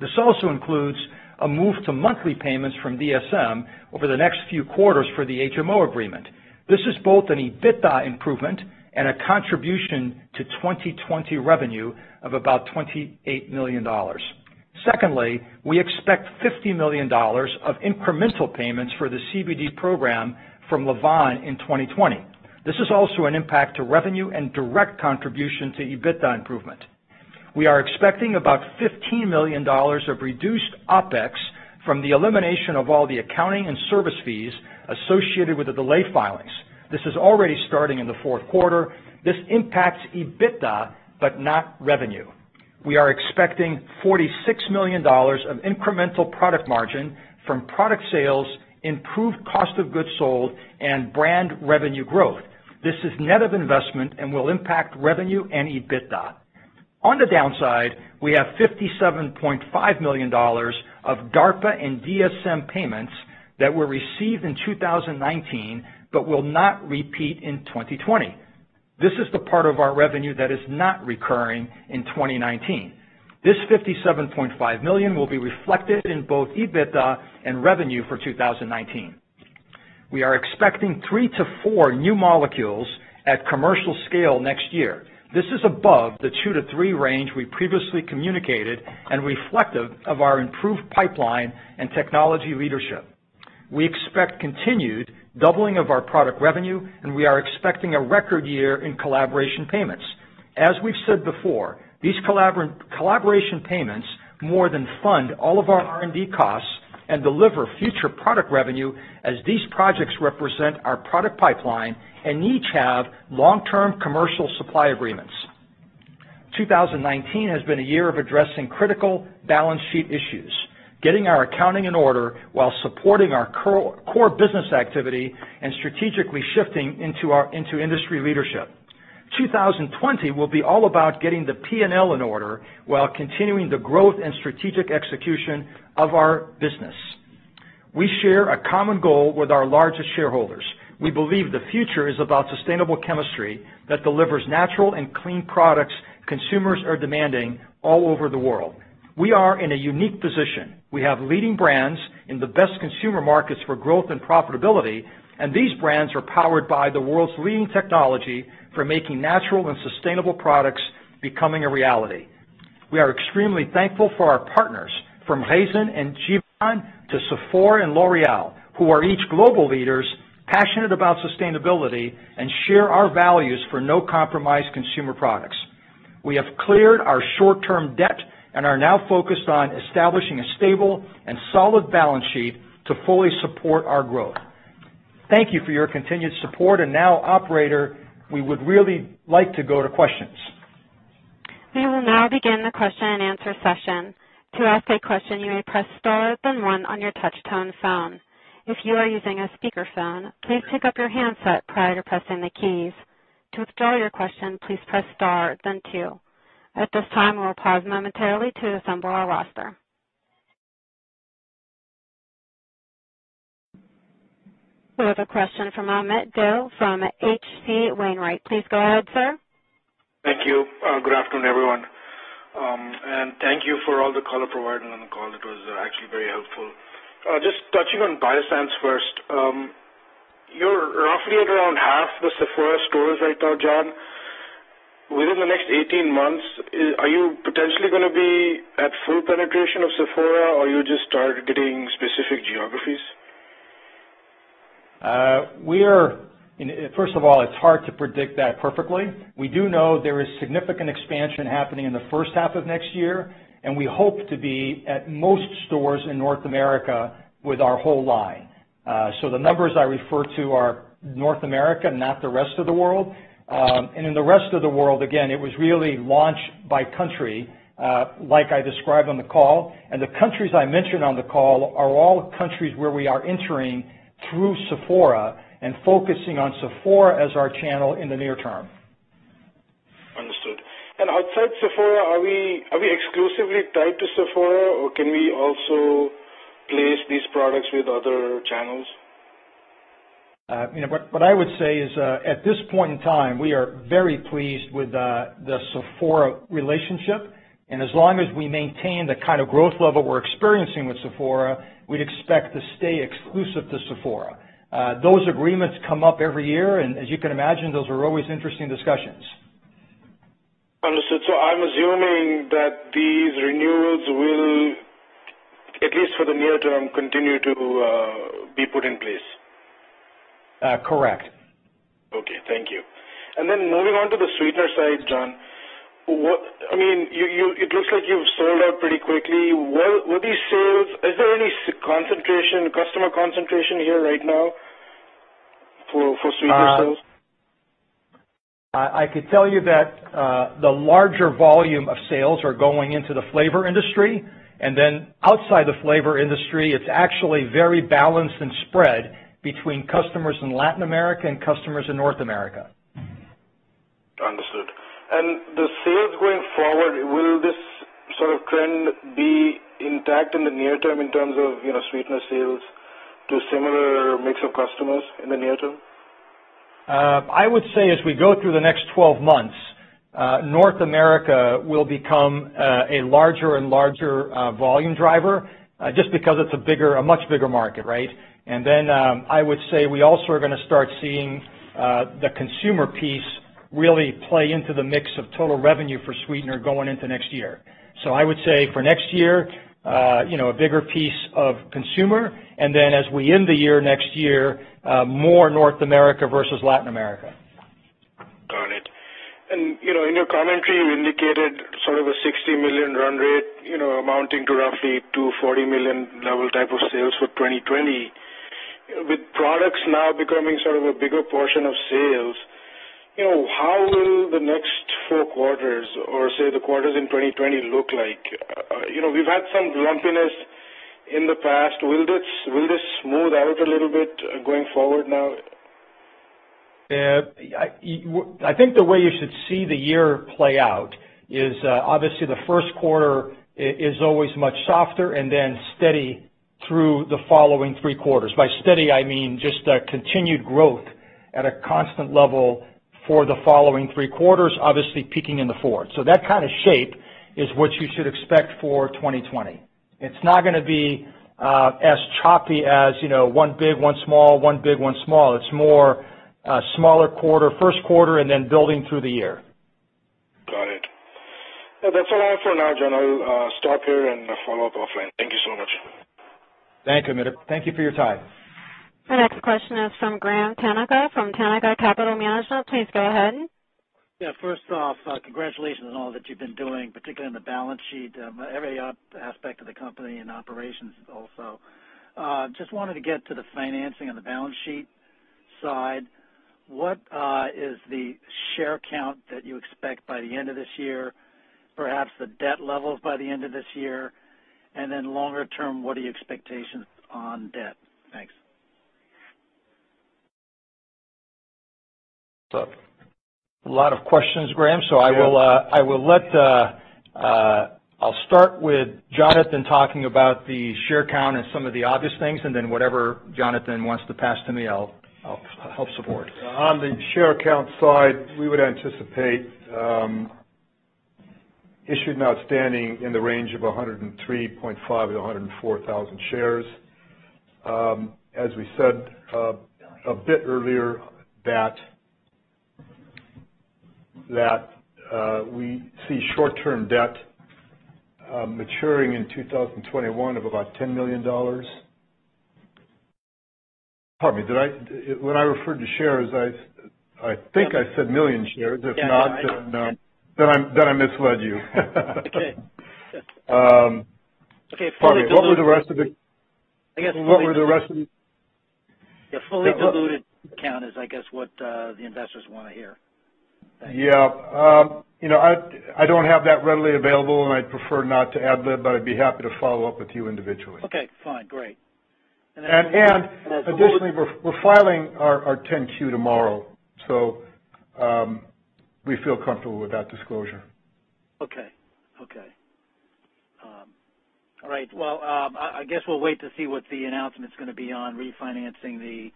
This also includes a move to monthly payments from DSM over the next few quarters for the HMO agreement. This is both an EBITDA improvement and a contribution to 2020 revenue of about $28 million. Secondly, we expect $50 million of incremental payments for the CBD program from Lavvan in 2020. This is also an impact to revenue and direct contribution to EBITDA improvement. We are expecting about $15 million of reduced OpEx from the elimination of all the accounting and service fees associated with the delayed filings. This is already starting in the fourth quarter. This impacts EBITDA but not revenue. We are expecting $46 million of incremental product margin from product sales, improved cost of goods sold, and brand revenue growth. This is net of investment and will impact revenue and EBITDA. On the downside, we have $57.5 million of DARPA and DSM payments that were received in 2019 but will not repeat in 2020. This is the part of our revenue that is not recurring in 2019. This $57.5 million will be reflected in both EBITDA and revenue for 2019. We are expecting three to four new molecules at commercial scale next year. This is above the two to three range we previously communicated and reflective of our improved pipeline and technology leadership. We expect continued doubling of our product revenue, and we are expecting a record year in collaboration payments. As we've said before, these collaboration payments more than fund all of our R&D costs and deliver future product revenue as these projects represent our product pipeline and each have long-term commercial supply agreements. 2019 has been a year of addressing critical balance sheet issues, getting our accounting in order while supporting our core business activity and strategically shifting into industry leadership. 2020 will be all about getting the P&L in order while continuing the growth and strategic execution of our business. We share a common goal with our largest shareholders. We believe the future is about sustainable chemistry that delivers natural and clean products consumers are demanding all over the world. We are in a unique position. We have leading brands in the best consumer markets for growth and profitability, and these brands are powered by the world's leading technology for making natural and sustainable products becoming a reality. We are extremely thankful for our partners from DSM and Givaudan to Firmenich and L'Oréal, who are each global leaders passionate about sustainability and share our values for no-compromise consumer products. We have cleared our short-term debt and are now focused on establishing a stable and solid balance sheet to fully support our growth. Thank you for your continued support, and now, Operator, we would really like to go to questions. We will now begin the question and answer session. To ask a question, you may press star then one on your touch-tone phone. If you are using a speakerphone, please pick up your handset prior to pressing the keys. To withdraw your question, please press star then two. At this time, we'll pause momentarily to assemble our roster. We have a question from Amit Dayal from H.C. Wainwright. Please go ahead, sir. Thank you. Good afternoon, everyone. And thank you for all the color providing on the call. It was actually very helpful. Just touching on Biossance first, you're roughly at around half the Sephora stores right now, John. Within the next 18 months, are you potentially going to be at full penetration of Sephora, or are you just targeting specific geographies? First of all, it's hard to predict that perfectly. We do know there is significant expansion happening in the first half of next year, and we hope to be at most stores in North America with our whole line. So the numbers I refer to are North America, not the rest of the world. And in the rest of the world, again, it was really launch by country, like I described on the call. And the countries I mentioned on the call are all countries where we are entering through Sephora and focusing on Sephora as our channel in the near term. Understood. And outside Sephora, are we exclusively tied to Sephora, or can we also place these products with other channels? What I would say is, at this point in time, we are very pleased with the Sephora relationship. And as long as we maintain the kind of growth level we're experiencing with Sephora, we'd expect to stay exclusive to Sephora. Those agreements come up every year, and as you can imagine, those are always interesting discussions. Understood. So I'm assuming that these renewals will, at least for the near term, continue to be put in place. Correct. Okay. Thank you. And then moving on to the sweetener side, John. I mean, it looks like you've sold out pretty quickly. What do you say? Is there any customer concentration here right now for sweetener sales? I could tell you that the larger volume of sales are going into the flavor industry. And then outside the flavor industry, it's actually very balanced and spread between customers in Latin America and customers in North America. Understood. And the sales going forward, will this sort of trend be intact in the near term in terms of sweetener sales to similar mix of customers in the near term? I would say as we go through the next 12 months, North America will become a larger and larger volume driver just because it's a much bigger market, right? And then I would say we also are going to start seeing the consumer piece really play into the mix of total revenue for sweetener going into next year. So I would say for next year, a bigger piece of consumer. And then as we end the year next year, more North America versus Latin America. Got it. In your commentary, you indicated sort of a $60 million run rate amounting to roughly $240 million level type of sales for 2020. With products now becoming sort of a bigger portion of sales, how will the next four quarters or say the quarters in 2020 look like? We've had some lumpiness in the past. Will this smooth out a little bit going forward now? I think the way you should see the year play out is obviously the first quarter is always much softer and then steady through the following three quarters. By steady, I mean just continued growth at a constant level for the following three quarters, obviously peaking in the fourth. So that kind of shape is what you should expect for 2020. It's not going to be as choppy as one big, one small, one big, one small. It's a more smaller quarter, first quarter, and then building through the year. Got it. That's all I have for now, John. I'll stop here and follow up offline. Thank you so much. Thank you, Amyris. Thank you for your time. The next question is from Graham Tanaka from Tanaka Capital Management. Please go ahead. Yeah. First off, congratulations on all that you've been doing, particularly on the balance sheet, every aspect of the company and operations also. Just wanted to get to the financing and the balance sheet side. What is the share count that you expect by the end of this year, perhaps the debt levels by the end of this year? And then longer term, what are your expectations on debt? Thanks. A lot of questions, Graham, so I will let I'll start with Jonathan talking about the share count and some of the obvious things, and then whatever Jonathan wants to pass to me, I'll help support. On the share count side, we would anticipate issued and outstanding in the range of 103.5 to 104,000 shares. As we said a bit earlier, that we see short-term debt maturing in 2021 of about $10 million. Pardon me. When I referred to shares, I think I said million shares. If not, then I misled you. Okay. Pardon me. What were the rest of the? I guess, fully diluted. Yeah. Fully diluted count is, I guess, what the investors want to hear. Yeah. I don't have that readily available, and I'd prefer not to add that, but I'd be happy to follow up with you individually. Okay. Fine. Great. Additionally, we're filing our 10-Q tomorrow, so we feel comfortable with that disclosure. Okay. Okay. All right. Well, I guess we'll wait to see what the announcement's going to be on refinancing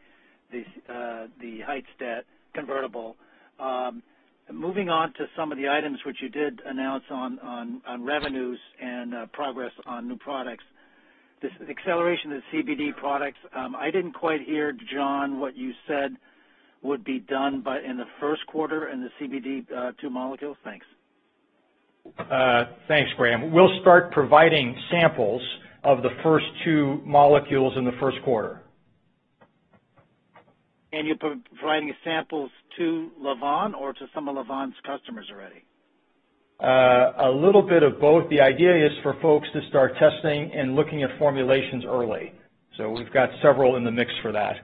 the Heights debt convertible. Moving on to some of the items which you did announce on revenues and progress on new products, this acceleration of the CBD products. I didn't quite hear, John, what you said would be done in the first quarter in the CBD two molecules. Thanks. Thanks, Graham. We'll start providing samples of the first two molecules in the first quarter. And you're providing samples to Lavvan or to some of Lavvan's customers already? A little bit of both. The idea is for folks to start testing and looking at formulations early. So we've got several in the mix for that.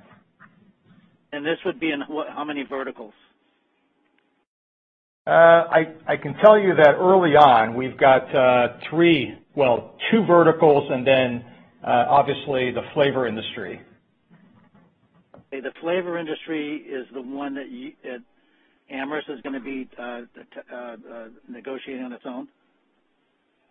And this would be in how many verticals? I can tell you that early on, we've got three, well, two verticals and then obviously the flavor industry. The flavor industry is the one that Amyris is going to be negotiating on its own?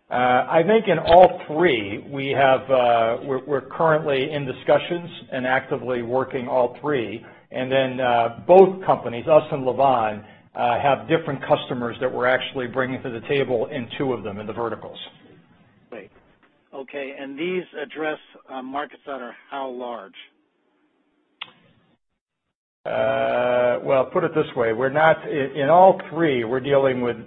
I think in all three, we're currently in discussions and actively working all three. And then both companies, us and Lavvan, have different customers that we're actually bringing to the table in two of them in the verticals. Right. Okay. And these address markets that are how large? Well, put it this way. In all three, we're dealing with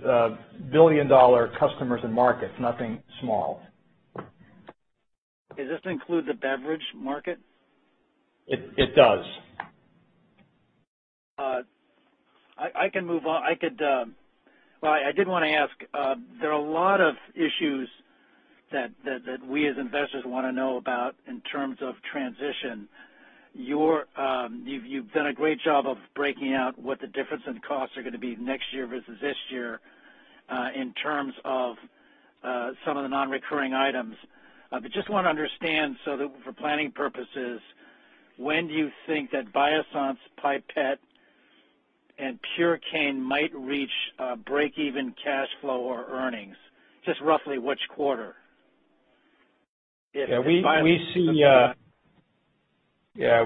billion-dollar customers and markets, nothing small. Does this include the beverage market? It does. I can move on. Well, I did want to ask. There are a lot of issues that we as investors want to know about in terms of transition. You've done a great job of breaking out what the difference in costs are going to be next year versus this year in terms of some of the non-recurring items. But just want to understand for planning purposes, when do you think that Biossance, Pipette, and Purecane might reach break-even cash flow or earnings? Just roughly which quarter? Yeah. We see I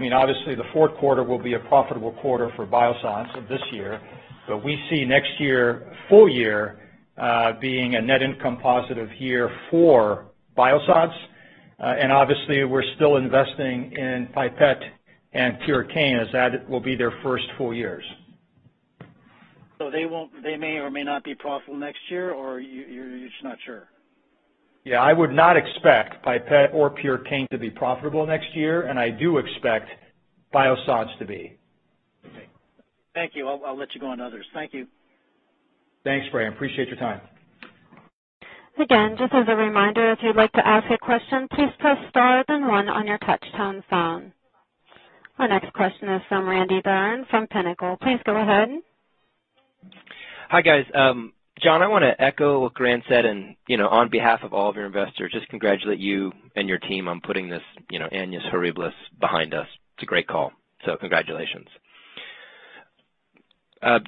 mean, obviously, the fourth quarter will be a profitable quarter for Biossance this year. But we see next full year being a net income positive year for Biossance. And obviously, we're still investing in Pipette and Purecane as that will be their first full years. So they may or may not be profitable next year, or you're just not sure? Yeah. I would not expect Pipette or Purecane to be profitable next year, and I do expect Biossance to be. Okay. Thank you. I'll let you go on others. Thank you. Thanks, Graham. Appreciate your time. Again, just as a reminder, if you'd like to ask a question, please press star then one on your touch-tone phone. Our next question is from Randy Baron from Pinnacle. Please go ahead. Hi, guys. John, I want to echo what Graham said, and on behalf of all of your investors, just congratulate you and your team on putting this annus horribilis behind us. It's a great call. So congratulations.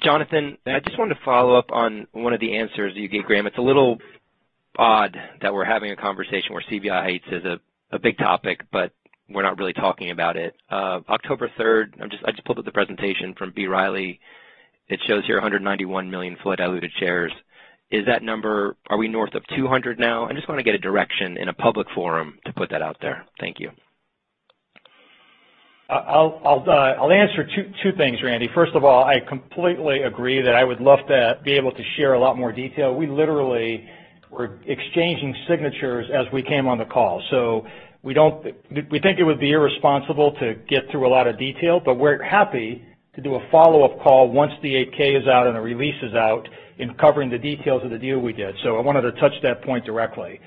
Jonathan, I just wanted to follow up on one of the answers you gave, Graham. It's a little odd that we're having a conversation where CVI Heights is a big topic, but we're not really talking about it. October 3rd, I just pulled up the presentation from B. Riley. It shows here 191 million fully-diluted shares. Are we north of 200 now? I just want to get a direction in a public forum to put that out there. Thank you. I'll answer two things, Randy. First of all, I completely agree that I would love to be able to share a lot more detail. We literally were exchanging signatures as we came on the call. So we think it would be irresponsible to get through a lot of detail, but we're happy to do a follow-up call once the 8-K is out and the release is out, including covering the details of the deal we did, so I wanted to touch that point directly.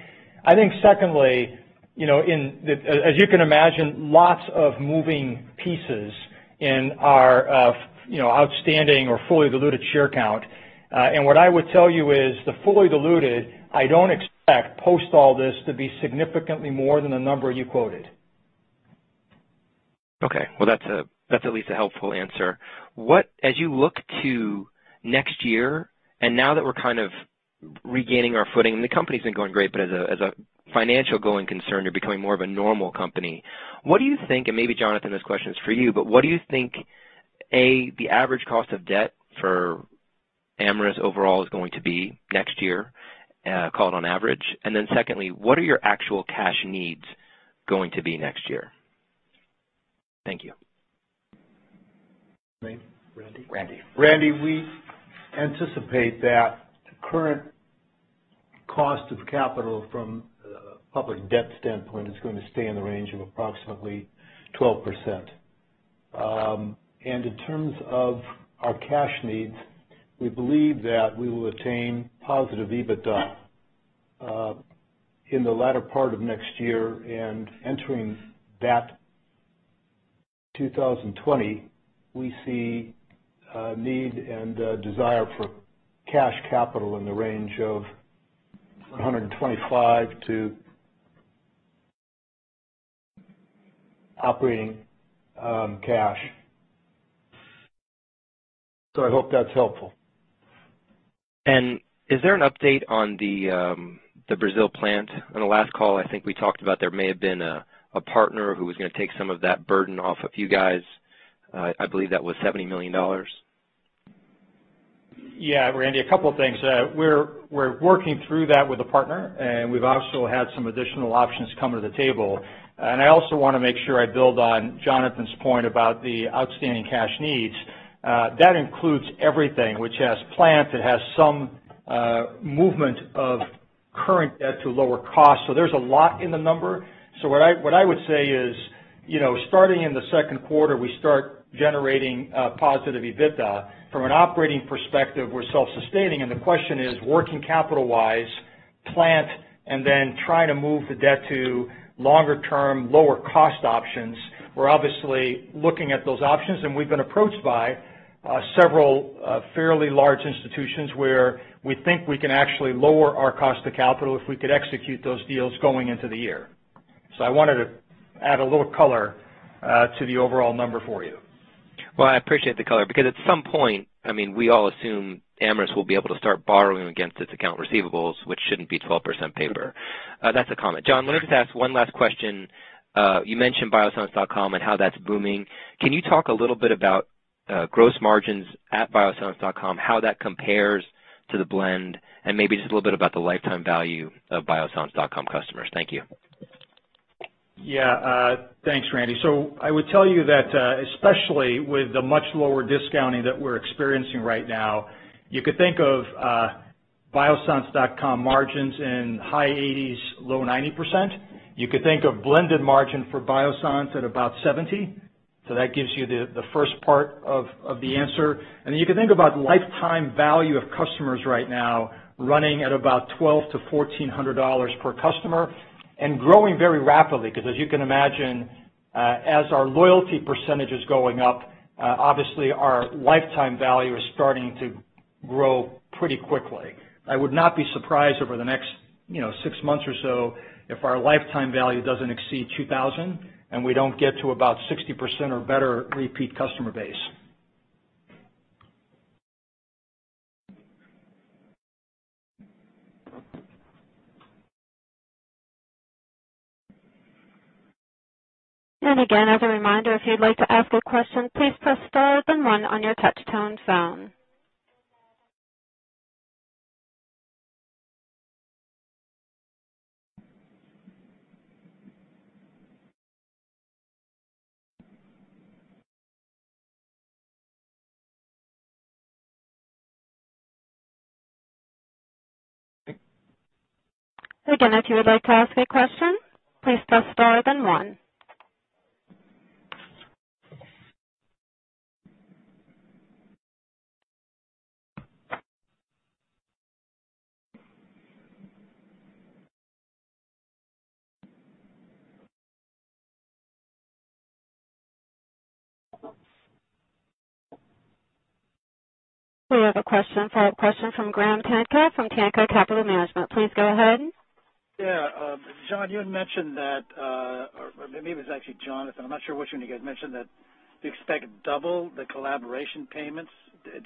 I think secondly, as you can imagine, lots of moving pieces in our outstanding or fully diluted share count, and what I would tell you is the fully diluted. I don't expect post all this to be significantly more than the number you quoted. Okay. Well, that's at least a helpful answer. As you look to next year, and now that we're kind of regaining our footing, and the company's been going great, but as a financial going concern, you're becoming more of a normal company. What do you think, and maybe, Jonathan, this question is for you, but what do you think, A, the average cost of debt for Amyris overall is going to be next year, called on average? And then secondly, what are your actual cash needs going to be next year? Thank you. Randy? Randy. Randy, we anticipate that the current cost of capital from a public debt standpoint is going to stay in the range of approximately 12%. And in terms of our cash needs, we believe that we will attain positive EBITDA in the latter part of next year. Entering that 2020, we see a need and desire for cash capital in the range of 125 to op erating cash. So I hope that's helpful. Is there an update on the Brazil plant? On the last call, I think we talked about there may have been a partner who was going to take some of that burden off of you guys. I believe that was $70 million. Yeah, Randy, a couple of things. We're working through that with a partner, and we've also had some additional options come to the table. I also want to make sure I build on Jonathan's point about the outstanding cash needs. That includes everything, which has plant that has some movement of current debt to lower cost. So there's a lot in the number. What I would say is starting in the second quarter, we start generating positive EBITDA. From an operating perspective, we're self-sustaining. And the question is, working capital-wise, loan, and then trying to move the debt to longer-term, lower-cost options. We're obviously looking at those options, and we've been approached by several fairly large institutions where we think we can actually lower our cost of capital if we could execute those deals going into the year. So I wanted to add a little color to the overall number for you. Well, I appreciate the color because at some point, I mean, we all assume Amyris will be able to start borrowing against its account receivables, which shouldn't be 12% paper. That's a comment. John, let me just ask one last question. You mentioned Biossance.com and how that's booming. Can you talk a little bit about gross margins at Biossance.com, how that compares to the blended, and maybe just a little bit about the lifetime value of Biossance.com customers? Thank you. Yeah. Thanks, Randy. So I would tell you that especially with the much lower discounting that we're experiencing right now, you could think of Biossance.com margins in high 80s, low 90%. You could think of blended margin for Biossance at about 70%. So that gives you the first part of the answer, and then you could think about lifetime value of customers right now running at about $1,200-$1,400 per customer and growing very rapidly because, as you can imagine, as our loyalty percentage is going up, obviously, our lifetime value is starting to grow pretty quickly. I would not be surprised over the next six months or so if our lifetime value doesn't exceed 2,000 and we don't get to about 60% or better repeat customer base. Again, as a reminder, if you'd like to ask a question, please press star then one on your touch-tone phone. Again, if you would like to ask a question, please press star then one. We have a follow-up question from Graham Tanaka from Tanaka Capital Management. Please go ahead. Yeah. John, you had mentioned that maybe it was actually Jonathan. I'm not sure which one you guys mentioned that you expect double the collaboration payments.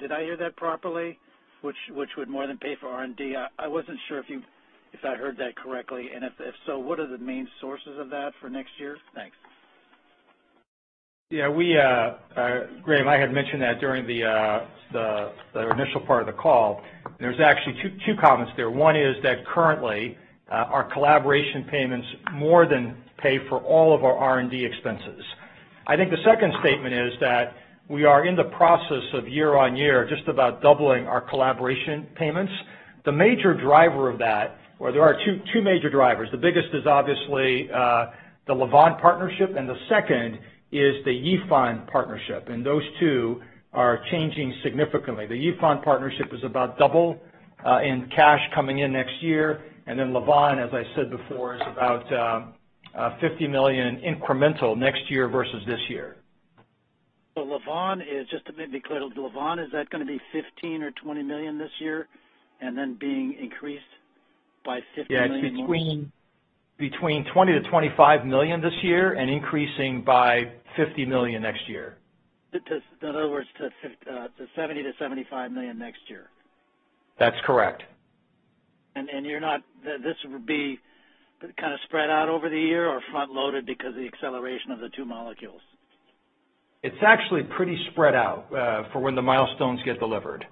Did I hear that properly? Which would more than pay for R&D? I wasn't sure if I heard that correctly. And if so, what are the main sources of that for next year? Thanks. Yeah. Graham, I had mentioned that during the initial part of the call. There's actually two comments there. One is that currently, our collaboration payments more than pay for all of our R&D expenses. I think the second statement is that we are in the process of year-on-year just about doubling our collaboration payments. The major driver of that, or there are two major drivers. The biggest is obviously the Lavvan partnership, and the second is the Yifan partnership. And those two are changing significantly. The Yifan partnership is about double in cash coming in next year. And then Lavvan, as I said before, is about $50 million incremental next year versus this year. So Lavvan is just to be clear, Lavvan, is that going to be $15 million or $20 million this year and then being increased by $50 million more? Between $20-25 million this year and increasing by $50 million next year. In other words, to $70-75 million next year. That's correct, and this would be kind of spread out over the year or front-loaded because of the acceleration of the two molecules? It's actually pretty spread out for when the milestones get delivered,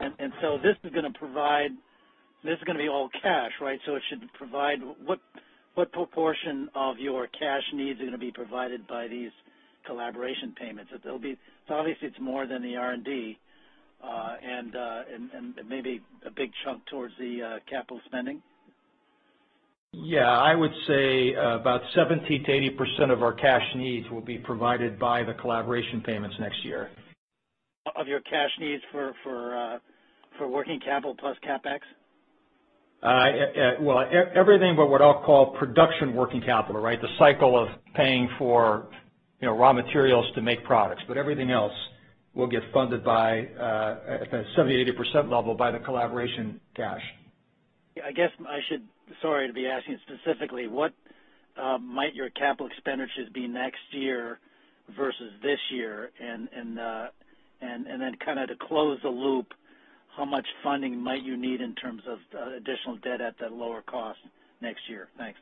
and so this is going to provide. This is going to be all cash, right? So it should provide what proportion of your cash needs are going to be provided by these collaboration payments? Obviously, it's more than the R&D and maybe a big chunk towards the capital spending? Yeah. I would say about 70%-80% of our cash needs will be provided by the collaboration payments next year. Of your cash needs for working capital plus CapEx? Well, everything but what I'll call production working capital, right? The cycle of paying for raw materials to make products. But everything else will get funded by at the 70%-80% level by the collaboration cash. I guess I should, sorry to be asking specifically, what might your capital expenditures be next year versus this year? And then kind of to close the loop, how much funding might you need in terms of additional debt at that lower cost next year? Thanks.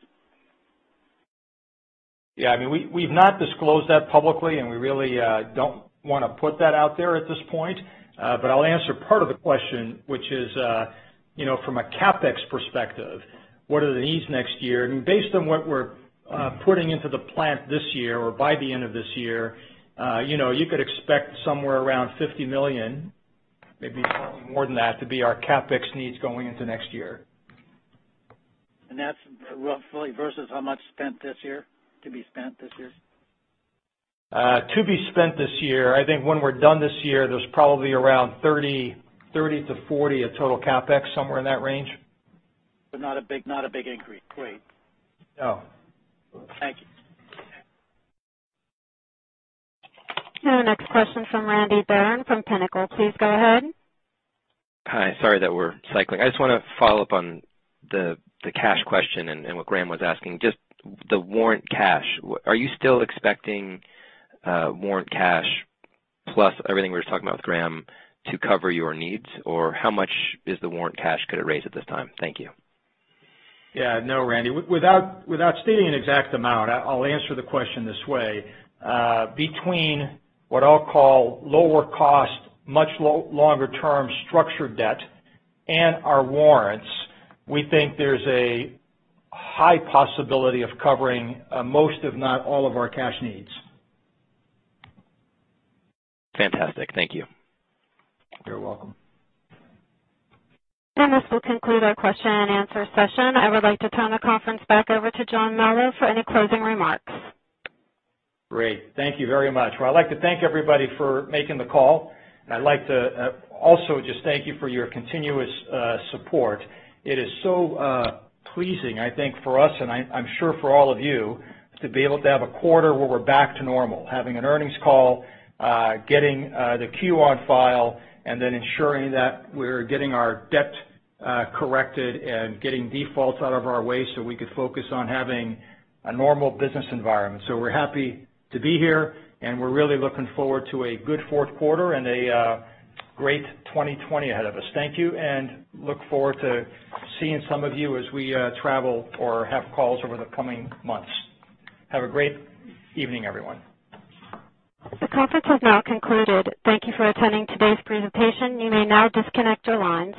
Yeah. I mean, we've not disclosed that publicly, and we really don't want to put that out there at this point. But I'll answer part of the question, which is from a CapEx perspective, what are the needs next year? And based on what we're putting into the plant this year or by the end of this year, you could expect somewhere around $50 million, maybe more than that, to be our CapEx needs going into next year. And that's roughly versus how much spent this year? To be spent this year? To be spent this year, I think when we're done this year, there's probably around $30-$40 million of total CapEx, somewhere in that range. So not a big increase. Great. No. Thank you. And our next question from Randy Baron from Pinnacle. Please go ahead. Hi. Sorry that we're cycling. I just want to follow up on the cash question and what Graham was asking. Just the warrant cash. Are you still expecting warrant cash plus everything we were just talking about with Graham to cover your needs, or how much is the warrant cash? Could it raise at this time? Thank you. Yeah. No, Randy. Without stating an exact amount, I'll answer the question this way. Between what I'll call lower cost, much longer-term structured debt and our warrants, we think there's a high possibility of covering most, if not all, of our cash needs. Fantastic. Thank you. You're welcome. And this will conclude our question and answer session. I would like to turn the conference back over to John Melo for any closing remarks. Great. Thank you very much. Well, I'd like to thank everybody for making the call. And I'd like to also just thank you for your continuous support. It is so pleasing, I think, for us, and I'm sure for all of you, to be able to have a quarter where we're back to normal, having an earnings call, getting the Q on file, and then ensuring that we're getting our debt corrected and getting defaults out of our way so we could focus on having a normal business environment. So we're happy to be here, and we're really looking forward to a good fourth quarter and a great 2020 ahead of us. Thank you, and look forward to seeing some of you as we travel or have calls over the coming months. Have a great evening, everyone. The conference has now concluded. Thank you for attending today's presentation. You may now disconnect your lines.